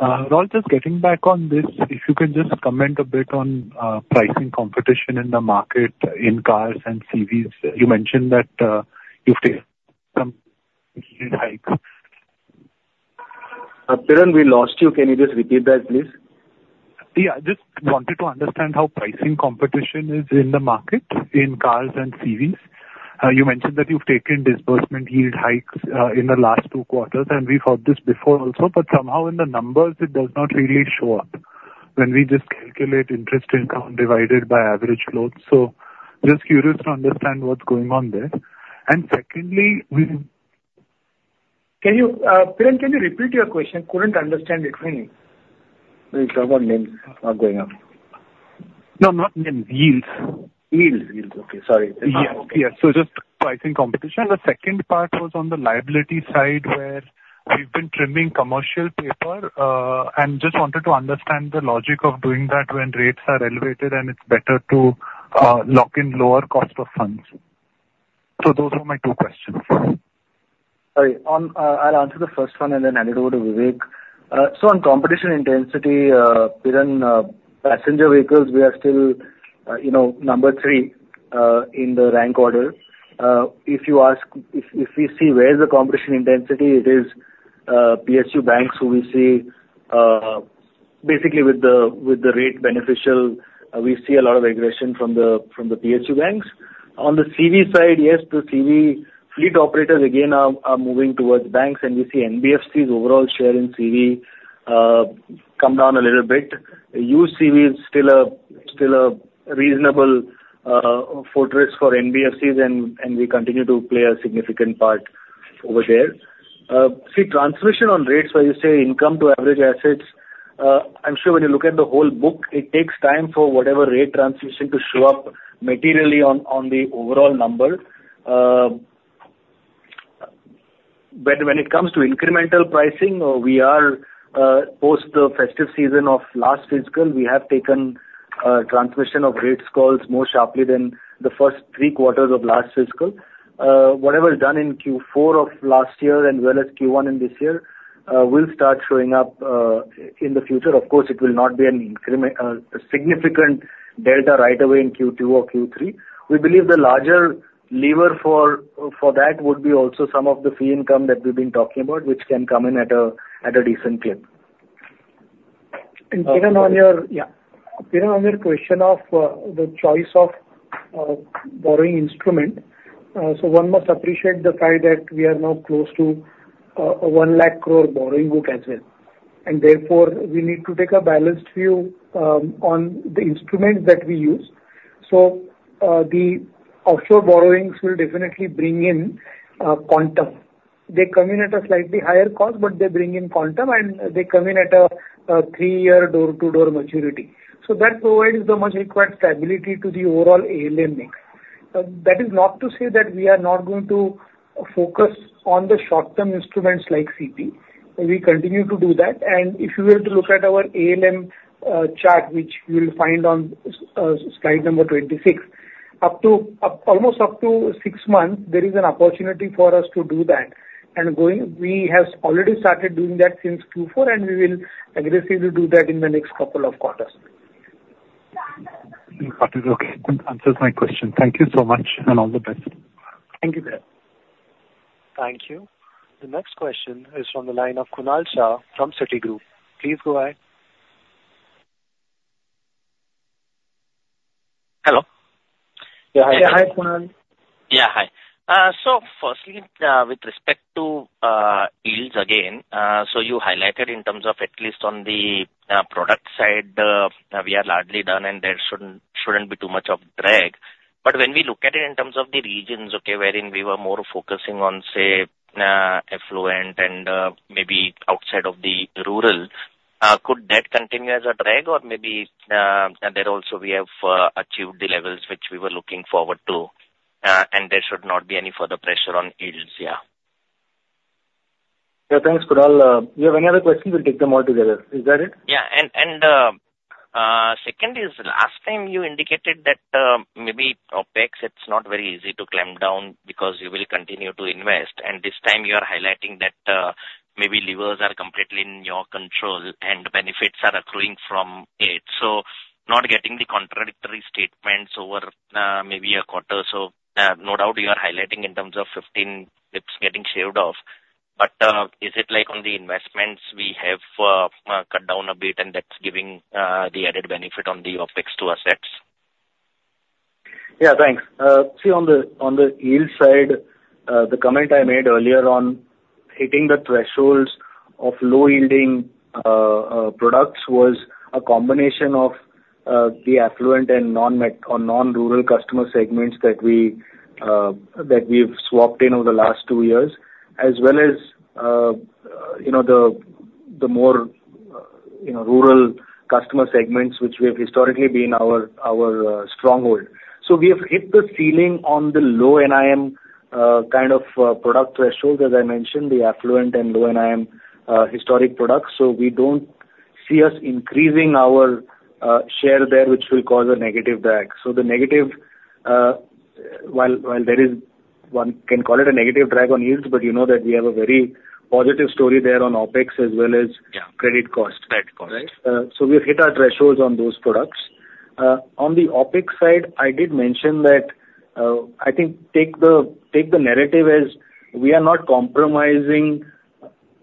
Raul, just getting back on this, if you can just comment a bit on pricing competition in the market in cars and CVs. You mentioned that you've taken some hikes. Piran we lost you. Can you just repeat that, please? Yeah. Just wanted to understand how pricing competition is in the market in cars and CVs. You mentioned that you've taken disbursement yield hikes in the last two quarters, and we've heard this before also, but somehow in the numbers, it does not really show up when we just calculate interest income divided by average loans. So just curious to understand what's going on there. And secondly, we can you Piran, can you repeat your question? Couldn't understand it clearly. We'll talk about NIMs not going up. No, not NIMs. Yields. Yields. Yields. Okay. Sorry. Yes. Yes. So just pricing competition. The second part was on the liability side where we've been trimming commercial paper and just wanted to understand the logic of doing that when rates are elevated and it's better to lock in lower cost of funds. So those were my two questions. All right. I'll answer the first one and then hand it over to Vivek. On competition intensity, Piran, passenger vehicles, we are still number 3 in the rank order. If you ask if we see where the competition intensity is, it is PSU banks who we see. Basically, with the rate beneficial, we see a lot of regression from the PSU banks. On the CV side, yes, the CV fleet operators, again, are moving towards banks, and we see NBFCs' overall share in CV come down a little bit. Used CV is still a reasonable fortress for NBFCs, and we continue to play a significant part over there. See, transmission on rates, as you say, income to average assets, I'm sure when you look at the whole book, it takes time for whatever rate transmission to show up materially on the overall number. But when it comes to incremental pricing, we are post the festive season of last fiscal; we have taken transmission of rates calls more sharply than the first three quarters of last fiscal. Whatever is done in Q4 of last year as well as Q1 in this year will start showing up in the future. Of course, it will not be a significant delta right away in Q2 or Q3. We believe the larger lever for that would be also some of the fee income that we've been talking about, which can come in at a decent clip. And Piran on your yeah. Piran on your question of the choice of borrowing instrument. So one must appreciate the fact that we are now close to a 100,000 crore borrowing book as well. And therefore, we need to take a balanced view on the instruments that we use. So the offshore borrowings will definitely bring in quantum. They come in at a slightly higher cost, but they bring in quantum, and they come in at a three-year door-to-door maturity. So that provides the much-required stability to the overall ALM mix. That is not to say that we are not going to focus on the short-term instruments like CP. We continue to do that. And if you were to look at our ALM chart, which you will find on slide number 26, almost up to six months, there is an opportunity for us to do that. And we have already started doing that since Q4, and we will aggressively do that in the next couple of quarters. Okay. That answers my question. Thank you so much and all the best. Thank you, sir. Thank you. The next question is from the line of Kunal Shah from Citigroup. Please go ahead. Hello. Yeah. Hi. Yeah. Hi, Kunal. Yeah. Hi. So firstly, with respect to yields again, so you highlighted in terms of at least on the product side, we are largely done, and there shouldn't be too much of drag. But when we look at it in terms of the regions, okay, wherein we were more focusing on, say, affluent and maybe outside of the rural, could that continue as a drag, or maybe there also we have achieved the levels which we were looking forward to, and there should not be any further pressure on yields? Yeah. Yeah. Thanks, Kunal. Do you have any other questions? We'll take them all together. Is that it? Yeah. And second is, last time you indicated that maybe OPEX, it's not very easy to clamp down because you will continue to invest. This time, you are highlighting that maybe levers are completely in your control and benefits are accruing from it. So not getting the contradictory statements over maybe a quarter. So no doubt you are highlighting in terms of 15 basis points getting shaved off. But is it like on the investments we have cut down a bit, and that's giving the added benefit on the OPEX to assets? Yeah. Thanks. See, on the yield side, the comment I made earlier on hitting the thresholds of low-yielding products was a combination of the affluent and non-rural customer segments that we've swapped in over the last two years, as well as the more rural customer segments, which we have historically been our stronghold. So we have hit the ceiling on the low NIM kind of product threshold, as I mentioned, the affluent and low NIM historic products. So we don't see us increasing our share there, which will cause a negative drag. So the negative, while there is one, can call it a negative drag on yields, but you know that we have a very positive story there on OPEX as well as credit cost. Credit cost. Right? So we have hit our thresholds on those products. On the OPEX side, I did mention that I think take the narrative as we are not compromising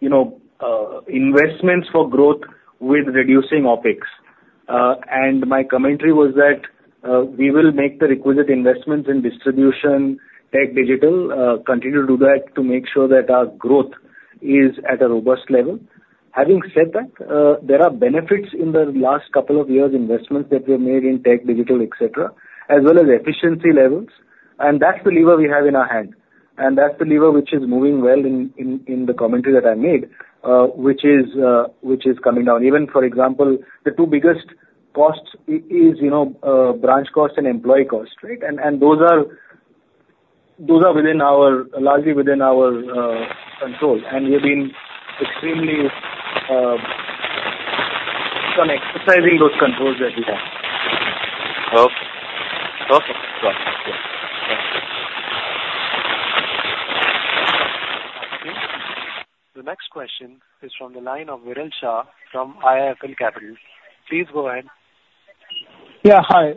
investments for growth with reducing OPEX. And my commentary was that we will make the requisite investments in distribution, tech digital, continue to do that to make sure that our growth is at a robust level. Having said that, there are benefits in the last couple of years, investments that were made in tech digital, etc., as well as efficiency levels. And that's the lever we have in our hand. And that's the lever which is moving well in the commentary that I made, which is coming down. Even, for example, the two biggest costs is branch cost and employee cost, right? And those are largely within our control. And we have been extremely on exercising those controls that we have. Okay. Okay. Got it. Yeah. The next question is from the line of Viral Shah from IIFL Capital. Please go ahead. Yeah. Hi.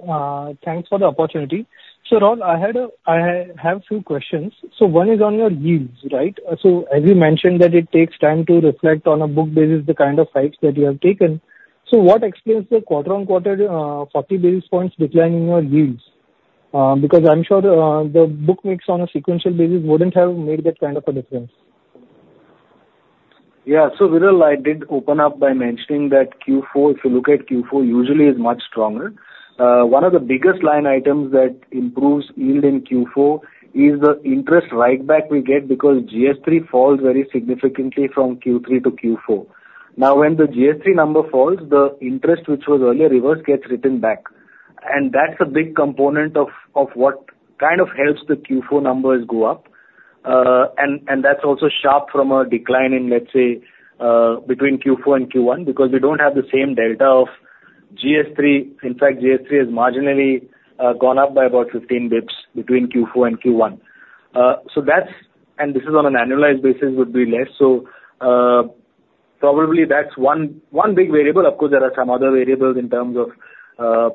Thanks for the opportunity. So Raul, I have a few questions. So one is on your yields, right? So as you mentioned that it takes time to reflect on a book basis the kind of hikes that you have taken. So what explains the quarter-on-quarter 40 basis points decline in your yields? Because I'm sure the book mix on a sequential basis wouldn't have made that kind of a difference. Yeah. So Viral, I did open up by mentioning that Q4, if you look at Q4, usually is much stronger. One of the biggest line items that improves yield in Q4 is the interest write back we get because GS3 falls very significantly from Q3 to Q4. Now, when the GS3 number falls, the interest, which was earlier reversed, gets written back. And that's a big component of what kind of helps the Q4 numbers go up. And that's also sharp from a decline in, let's say, between Q4 and Q1 because we don't have the same delta of GS3. In fact, GS3 has marginally gone up by about 15 basis points between Q4 and Q1. So that's, and this is on an annualized basis, would be less. So probably that's one big variable. Of course, there are some other variables in terms of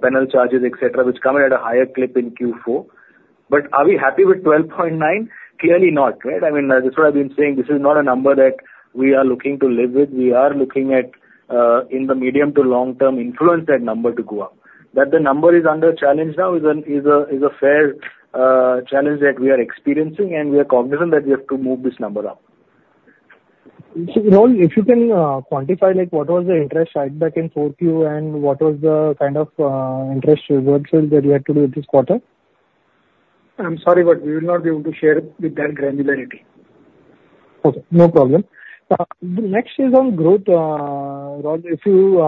penal charges, etc., which come in at a higher clip in Q4. But are we happy with 12.9? Clearly not, right? I mean, that's what I've been saying. This is not a number that we are looking to live with. We are looking at, in the medium to long term, influence that number to go up. That the number is under challenge now is a fair challenge that we are experiencing, and we are cognizant that we have to move this number up. So, Raul, if you can quantify what was the interest right back in fourth year and what was the kind of interest reversal that you had to do this quarter? I'm sorry, but we will not be able to share with that granularity. Okay. No problem. The next is on growth. Raul, if you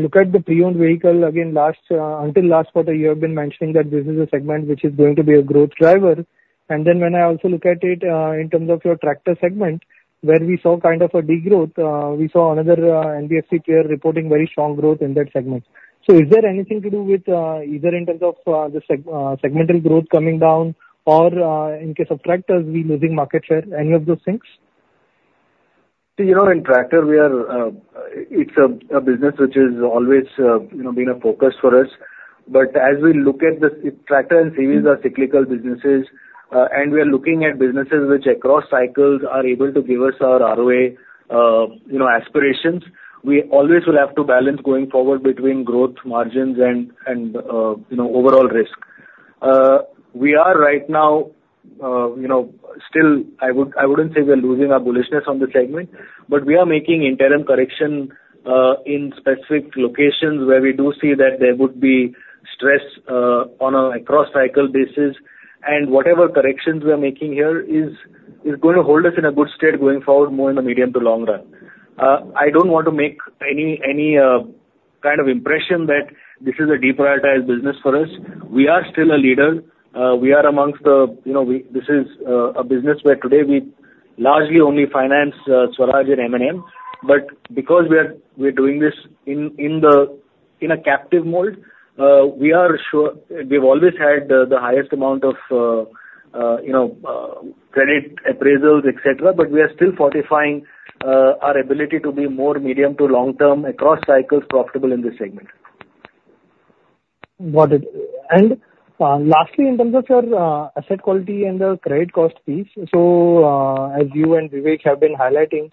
look at the pre-owned vehicle, again, until last quarter, you have been mentioning that this is a segment which is going to be a growth driver. And then when I also look at it in terms of your tractor segment, where we saw kind of a degrowth, we saw another NBFC there reporting very strong growth in that segment. So is there anything to do with either in terms of the segmental growth coming down or in case of tractors losing market share? Any of those things? See, in tractor, it's a business which has always been a focus for us. But as we look at the tractor and CVs, they are cyclical businesses, and we are looking at businesses which, across cycles, are able to give us our ROA aspirations. We always will have to balance going forward between growth margins and overall risk. We are right now still. I wouldn't say we're losing our bullishness on the segment, but we are making interim correction in specific locations where we do see that there would be stress on an across-cycle basis. Whatever corrections we are making here is going to hold us in a good state going forward, more in the medium to long run. I don't want to make any kind of impression that this is a deprioritized business for us. We are still a leader. We are amongst the. This is a business where today we largely only finance Swaraj and M&M. But because we are doing this in a captive mode, we've always had the highest amount of credit appraisals, etc., but we are still fortifying our ability to be more medium to long-term, across cycles, profitable in this segment. Got it. Lastly, in terms of your asset quality and the credit cost piece, so as you and Vivek have been highlighting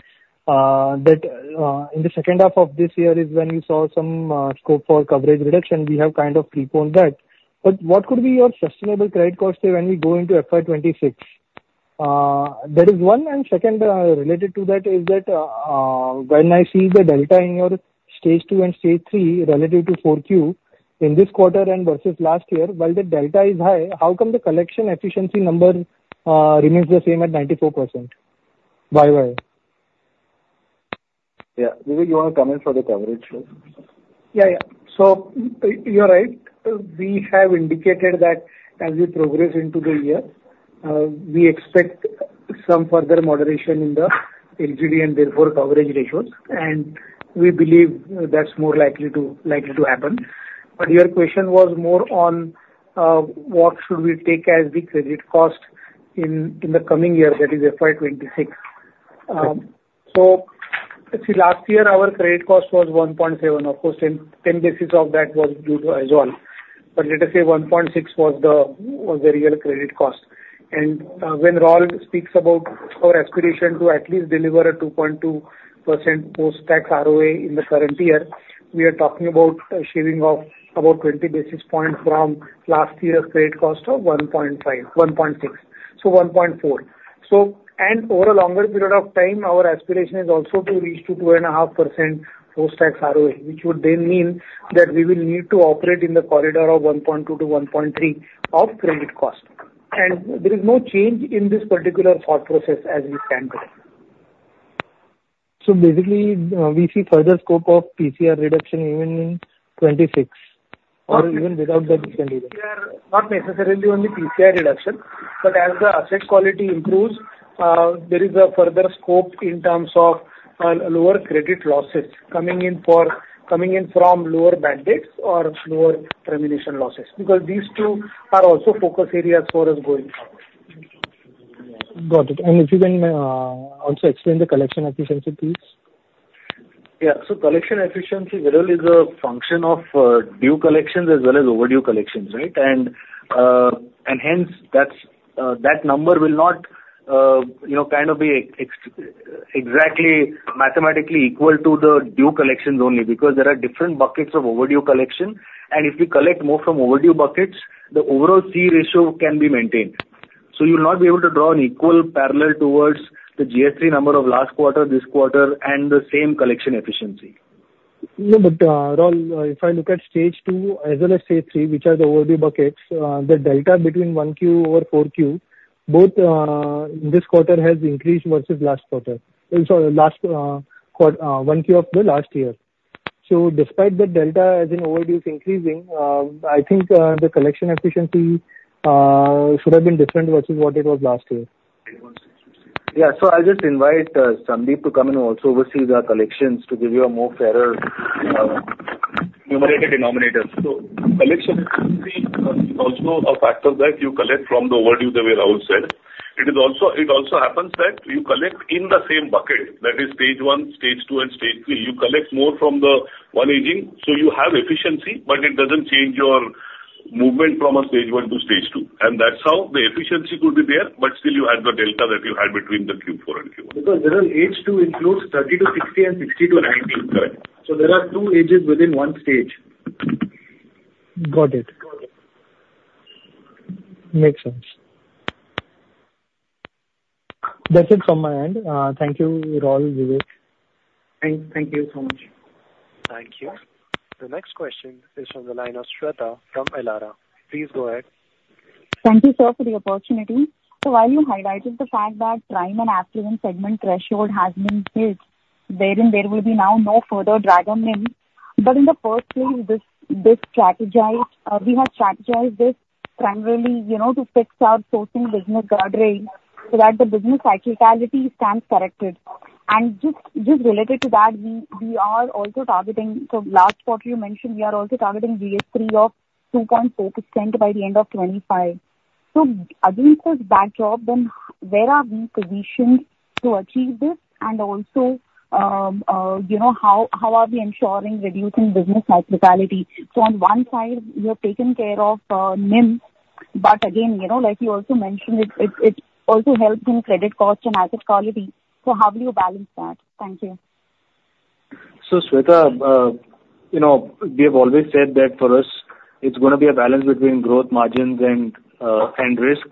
that in the second half of this year is when we saw some scope for coverage reduction, we have kind of preponed that. But what could be your sustainable credit costs when we go into FY26? There is one, and second related to that is that when I see the delta in your Stage 2 and Stage 3 relative to 4Q in this quarter and versus last year, while the delta is high, how come the collection efficiency number remains the same at 94%? Why? Yeah. Vivek, you want to comment for the coverage? Yeah. Yeah. So you're right. We have indicated that as we progress into the year, we expect some further moderation in the LGD and therefore coverage ratios. And we believe that's more likely to happen. But your question was more on what should we take as the credit cost in the coming year, that is FY26. So last year, our credit cost was 1.7. Of course, 10 basis of that was due to as well. But let us say 1.6 was the real credit cost. And when Raul speaks about our aspiration to at least deliver a 2.2% post-tax ROA in the current year, we are talking about shaving off about 20 basis points from last year's credit cost of 1.6. So 1.4. And over a longer period of time, our aspiration is also to reach to 2.5% post-tax ROA, which would then mean that we will need to operate in the corridor of 1.2%-1.3% credit cost. And there is no change in this particular thought process as we stand today. So basically, we see further scope of PCR reduction even in 2026 or even without the PCR reduction? Not necessarily only PCR reduction, but as the asset quality improves, there is a further scope in terms of lower credit losses coming in from lower bandwidth or lower termination losses because these two are also focus areas for us going forward. Got it. And if you can also explain the collection efficiency piece? Yeah. So collection efficiency really is a function of due collections as well as overdue collections, right? And hence, that number will not kind of be exactly mathematically equal to the due collections only because there are different buckets of overdue collection. If we collect more from overdue buckets, the overall C ratio can be maintained. So you'll not be able to draw an equal parallel towards the GS3 number of last quarter, this quarter, and the same collection efficiency. But Raul, if I look at stage two as well as stage three, which are the overdue buckets, the delta between 1Q over 4Q, both in this quarter has increased versus last quarter. Sorry, last 1Q of the last year. So despite the delta as in overdue increasing, I think the collection efficiency should have been different versus what it was last year. Yeah. So I just invite Sandeep to come and also oversee the collections to give you a more fairer numerator denominator. So collection efficiency is also a factor that you collect from the overdue that we already said. It also happens that you collect in the same bucket, that is stage one, stage two, and stage three. You collect more from the one aging, so you have efficiency, but it doesn't change your movement from Stage 1 to Stage 2. And that's how the efficiency could be there, but still you had the delta that you had between the Q4 and Q1. Because there are ages to include 30-60 and 60-90. Correct. So there are two ages within one stage. Got it. Makes sense. That's it from my end. Thank you, Raul, Vivek. Thank you so much. Thank you. The next question is from the line of Shweta from Elara. Please go ahead. Thank you, sir, for the opportunity. So while you highlighted the fact that prime and affluent segment threshold has been hit, there will be now no further drag on them. But in the first place, we have strategized this primarily to fix our sourcing business guardrail so that the business cyclicality stands corrected. And just related to that, we are also targeting the last quarter you mentioned, we are also targeting GS3 of 2.4% by the end of 2025. So against this backdrop, then where are we positioned to achieve this? And also, how are we ensuring reducing business cyclicality? So on one side, you have taken care of NIM, but again, like you also mentioned, it also helps in credit cost and asset quality. So how will you balance that? Thank you. So Shweta, we have always said that for us, it's going to be a balance between growth margins and risk.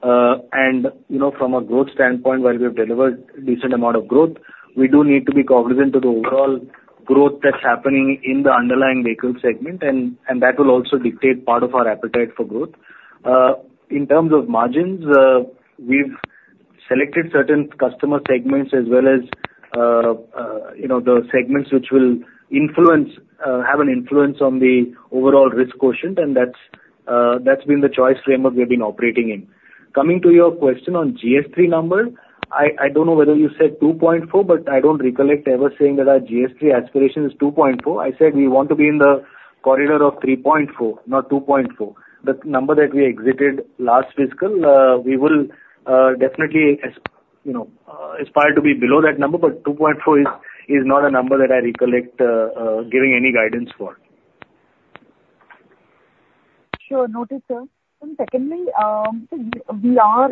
From a growth standpoint, while we have delivered a decent amount of growth, we do need to be cognizant of the overall growth that's happening in the underlying vehicle segment, and that will also dictate part of our appetite for growth. In terms of margins, we've selected certain customer segments as well as the segments which will have an influence on the overall risk quotient, and that's been the choice framework we've been operating in. Coming to your question on GS3 number, I don't know whether you said 2.4, but I don't recollect ever saying that our GS3 aspiration is 2.4. I said we want to be in the corridor of 3.4, not 2.4. The number that we exited last fiscal, we will definitely aspire to be below that number, but 2.4 is not a number that I recollect giving any guidance for. Sure. Noted, sir. Secondly, we are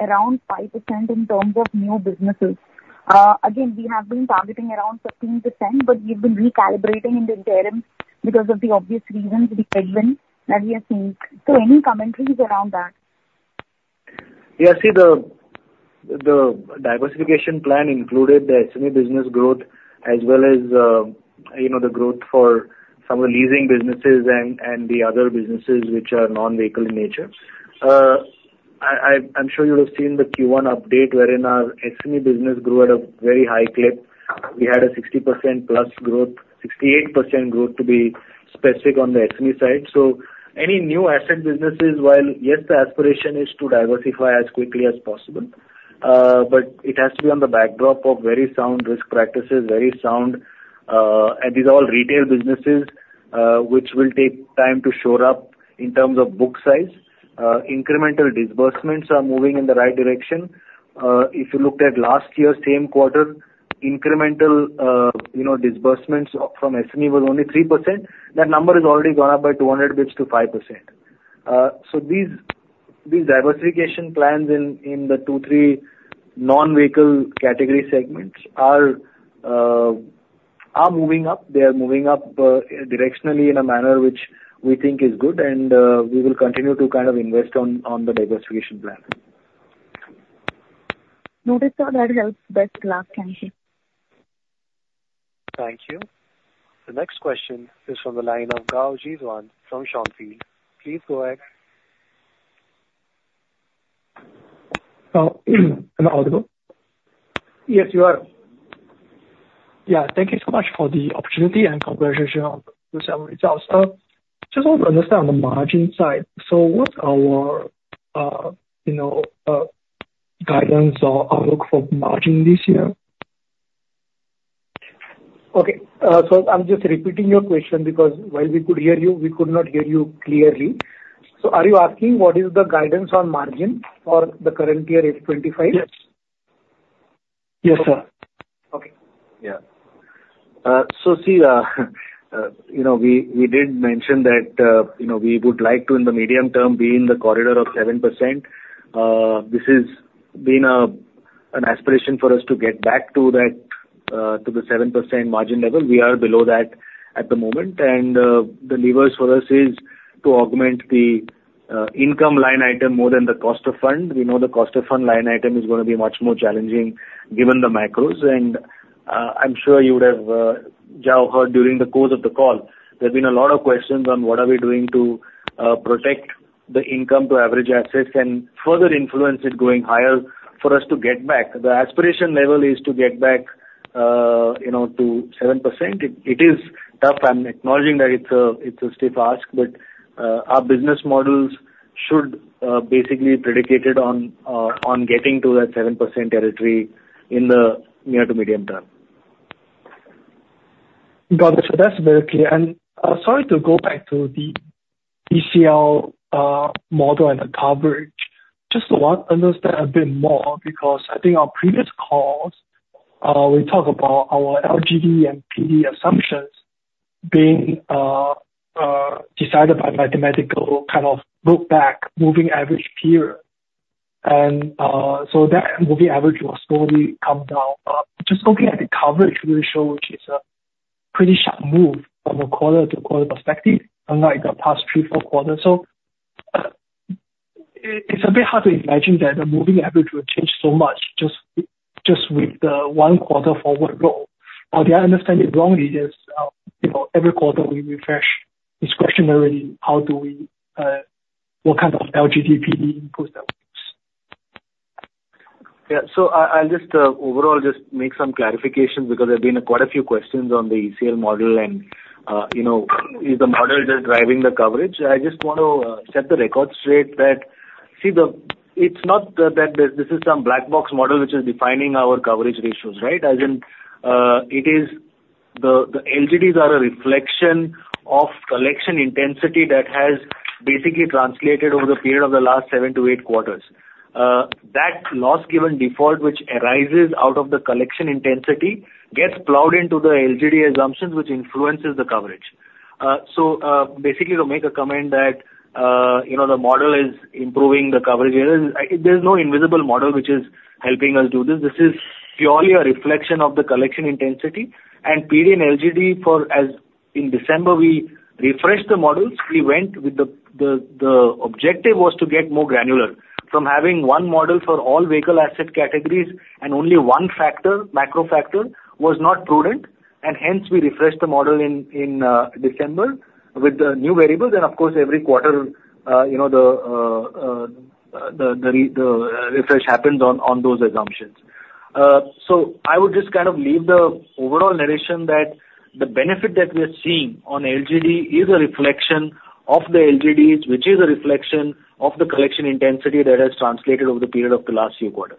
around 5% in terms of new businesses. Again, we have been targeting around 15%, but we've been recalibrating in the interim because of the obvious reasons with Edwin that we have seen. So any commentaries around that? Yeah. See, the diversification plan included the SME business growth as well as the growth for some of the leasing businesses and the other businesses which are non-vehicle in nature. I'm sure you have seen the Q1 update wherein our SME business grew at a very high clip. We had a 60%+ growth, 68% growth to be specific on the SME side. So any new asset businesses, while yes, the aspiration is to diversify as quickly as possible, but it has to be on the backdrop of very sound risk practices, very sound, and these are all retail businesses which will take time to shore up in terms of book size. Incremental disbursements are moving in the right direction. If you looked at last year, same quarter, incremental disbursements from SME was only 3%. That number has already gone up by 200 basis points to 5%. So these diversification plans in the two, three non-vehicle category segments are moving up. They are moving up directionally in a manner which we think is good, and we will continue to kind of invest on the diversification plan. Noted, sir. That helps best. Last, thank you. Thank you. The next question is from the line of Gaurjeetwan from Snowfield. Please go ahead. Hello. Yes, you are. Yeah. Thank you so much for the opportunity and congratulations on the results. Just want to understand on the margin side. So what's our guidance or outlook for margin this year? Okay. So I'm just repeating your question because while we could hear you, we could not hear you clearly. So are you asking what is the guidance on margin for the current year 2025? Yes. Yes, sir. Okay. Yeah. So see, we did mention that we would like to, in the medium term, be in the corridor of 7%. This has been an aspiration for us to get back to the 7% margin level. We are below that at the moment. And the levers for us is to augment the income line item more than the cost of fund. We know the cost of fund line item is going to be much more challenging given the macros. I'm sure you would have heard during the course of the call, there have been a lot of questions on what are we doing to protect the income to average assets and further influence it going higher for us to get back. The aspiration level is to get back to 7%. It is tough. I'm acknowledging that it's a stiff ask, but our business models should basically predicate it on getting to that 7% territory in the near to medium term. Got it. That's very clear. Sorry to go back to the ECL model and the coverage. Just want to understand a bit more because I think our previous calls, we talk about our LGD and PD assumptions being decided by mathematical kind of look-back moving average period. So that moving average was slowly coming down. Just looking at the coverage ratio, which is a pretty sharp move from a quarter-to-quarter perspective, unlike the past three, four quarters. So it's a bit hard to imagine that the moving average will change so much just with the one quarter forward roll. Or the understanding wrongly is every quarter we refresh discretionarily how do we what kind of LGD, PD inputs that we use. Yeah. So I'll just overall just make some clarifications because there have been quite a few questions on the ECL model and is the model just driving the coverage. I just want to set the record straight that see, it's not that this is some black box model which is defining our coverage ratios, right? As in it is the LGDs are a reflection of collection intensity that has basically translated over the period of the last seven to eight quarters. That loss-given default, which arises out of the collection intensity, gets plowed into the LGD assumptions, which influences the coverage. So basically, to make a comment that the model is improving the coverage, there's no invisible model which is helping us do this. This is purely a reflection of the collection intensity. And PD and LGD, as in December we refreshed the models, we went with the objective was to get more granular. From having one model for all vehicle asset categories and only one factor, macro factor, was not prudent. And hence we refreshed the model in December with the new variable. And of course, every quarter, the refresh happens on those assumptions. So I would just kind of leave the overall narration that the benefit that we are seeing on LGD is a reflection of the LGDs, which is a reflection of the collection intensity that has translated over the period of the last few quarters.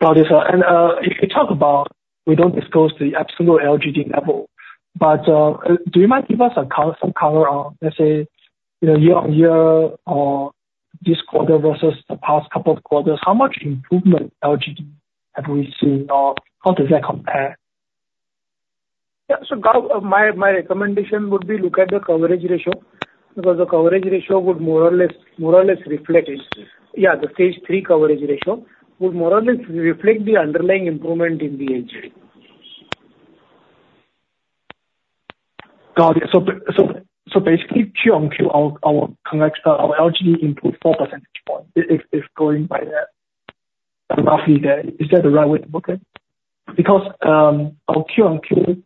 Got it, sir. And if you talk about we don't disclose the absolute LGD level, but do you mind giving us some color on, let's say, year-on-year or this quarter versus the past couple of quarters? How much improvement LGD have we seen or how does that compare? Yeah. So my recommendation would be look at the coverage ratio because the coverage ratio would more or less reflect it. Yeah, the Stage 3 coverage ratio would more or less reflect the underlying improvement in the LGD. Got it. So basically, Q on Q, our LGD improved 4 percentage points. It's going by that roughly there. Is that the right way to look at it? Because our Q on Q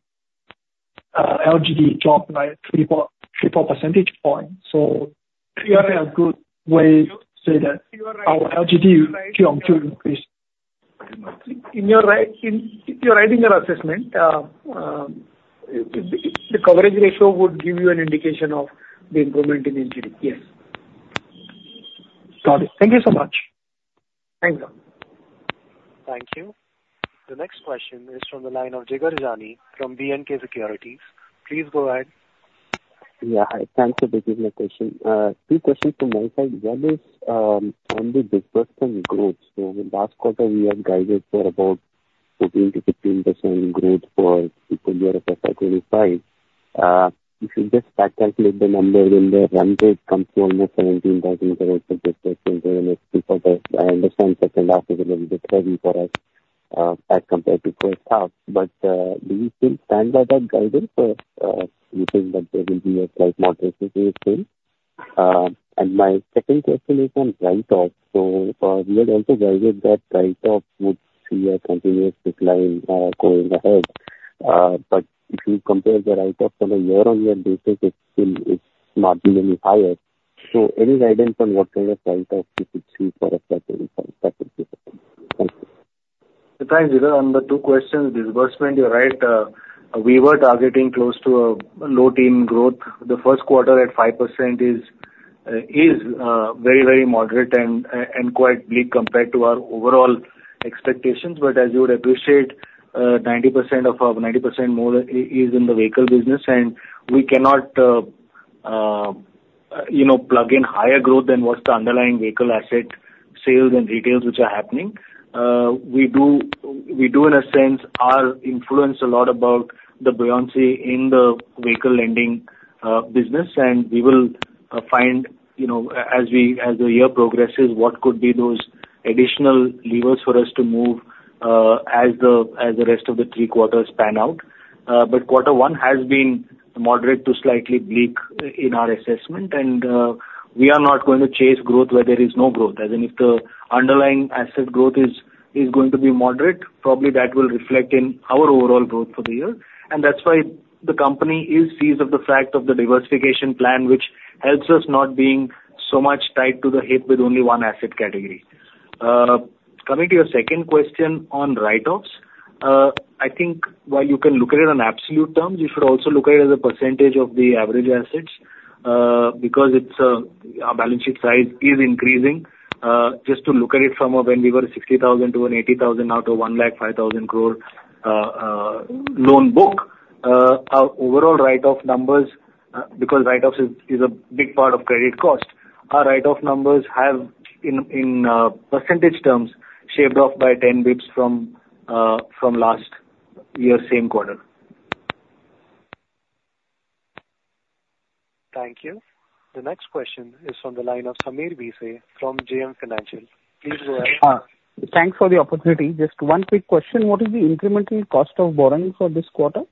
LGD dropped by 3-4 percentage points. So you have a good way to say that our LGD Q on Q increased. In your writing your assessment, the coverage ratio would give you an indication of the improvement in LGD. Yes. Got it. Thank you so much. Thanks, sir. Thank you. The next question is from the line of Jigar Jani from BNK Securities. Please go ahead. Yeah. Hi. Thanks for taking my question. Two questions from my side. One is on the disbursement growth. So last quarter, we had guided for about 14%-15% growth for Q2 year of FY25. If you just back-calculate the number, then the run rate comes to almost INR 17,000 crore for disbursement. I understand second half is a little bit heavy for us as compared to first half. Do you still stand by that guidance or do you think that there will be a slight moderation in it still? My second question is on write-offs. We had also guided that write-offs would see a continuous decline going ahead. If you compare the write-offs on a year-on-year basis, it's not been any higher. Any guidance on what kind of write-offs you could see for FY 2025? Thank you. Thanks, Jigar. On the two questions, disbursement, you're right. We were targeting close to a low teens growth. The first quarter at 5% is very, very moderate and quite bleak compared to our overall expectations. As you would appreciate, 90% of our 90% more is in the vehicle business. We cannot plug in higher growth than what's the underlying vehicle asset sales and retails which are happening. We do, in a sense, are influenced a lot by the dynamics in the vehicle lending business. We will find, as the year progresses, what could be those additional levers for us to move as the rest of the three quarters pan out. But quarter one has been moderate to slightly bleak in our assessment. We are not going to chase growth where there is no growth. As in, if the underlying asset growth is going to be moderate, probably that will reflect in our overall growth for the year. That's why the company is seized of the fact of the diversification plan, which helps us not being so much tied to the hip with only one asset category. Coming to your second question on write-offs, I think while you can look at it on absolute terms, you should also look at it as a percentage of the average assets because our balance sheet size is increasing. Just to look at it from when we were 60,000 crore to 80,000 crore now to 105,000 crore loan book, our overall write-off numbers, because write-offs is a big part of credit cost, our write-off numbers have in percentage terms shaved off by 10 basis points from last year's same quarter. Thank you. The next question is from the line of Sameer Bhise from JM Financial. Please go ahead. Thanks for the opportunity. Just one quick question. What is the incremental cost of borrowing for this quarter?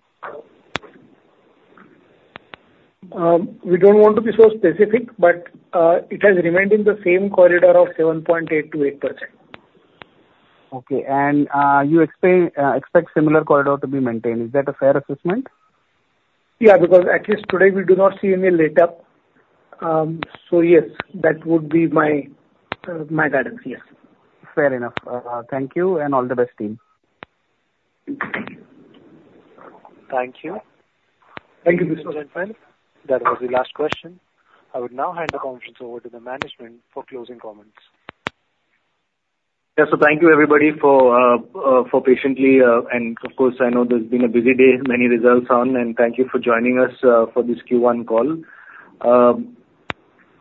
We don't want to be so specific, but it has remained in the same corridor of 7.8%-8%. Okay. You expect similar corridor to be maintained. Is that a fair assessment? Yeah, because at least today we do not see any let-up. So yes, that would be my guidance. Yes. Fair enough. Thank you and all the best team. Thank you. Thank you, Mr. Rebello. That was the last question. I would now hand the conference over to the management for closing comments. Yeah. So thank you, everybody, for patiently and of course, I know there's been a busy day, many results on, and thank you for joining us for this Q1 call.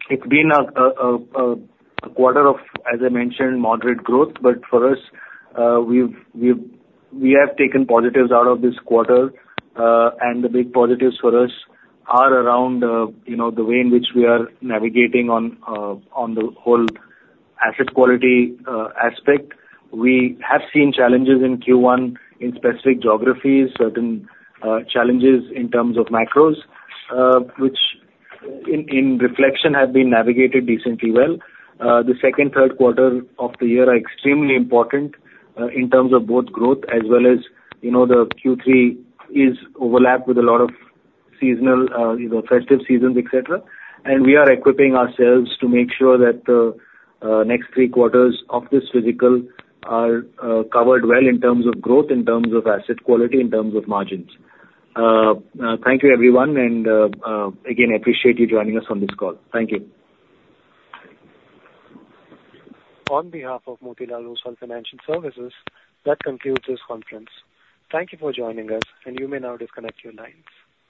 It's been a quarter of, as I mentioned, moderate growth. But for us, we have taken positives out of this quarter. And the big positives for us are around the way in which we are navigating on the whole asset quality aspect. We have seen challenges in Q1 in specific geographies, certain challenges in terms of macros, which in reflection have been navigated decently well. The second, third quarter of the year are extremely important in terms of both growth as well as the Q3 is overlapped with a lot of seasonal, the festive seasons, etc. And we are equipping ourselves to make sure that the next three quarters of this fiscal are covered well in terms of growth, in terms of asset quality, in terms of margins. Thank you, everyone. And again, appreciate you joining us on this call. Thank you. On behalf of Motilal Oswal Financial Services, that concludes this conference. Thank you for joining us, and you may now disconnect your lines.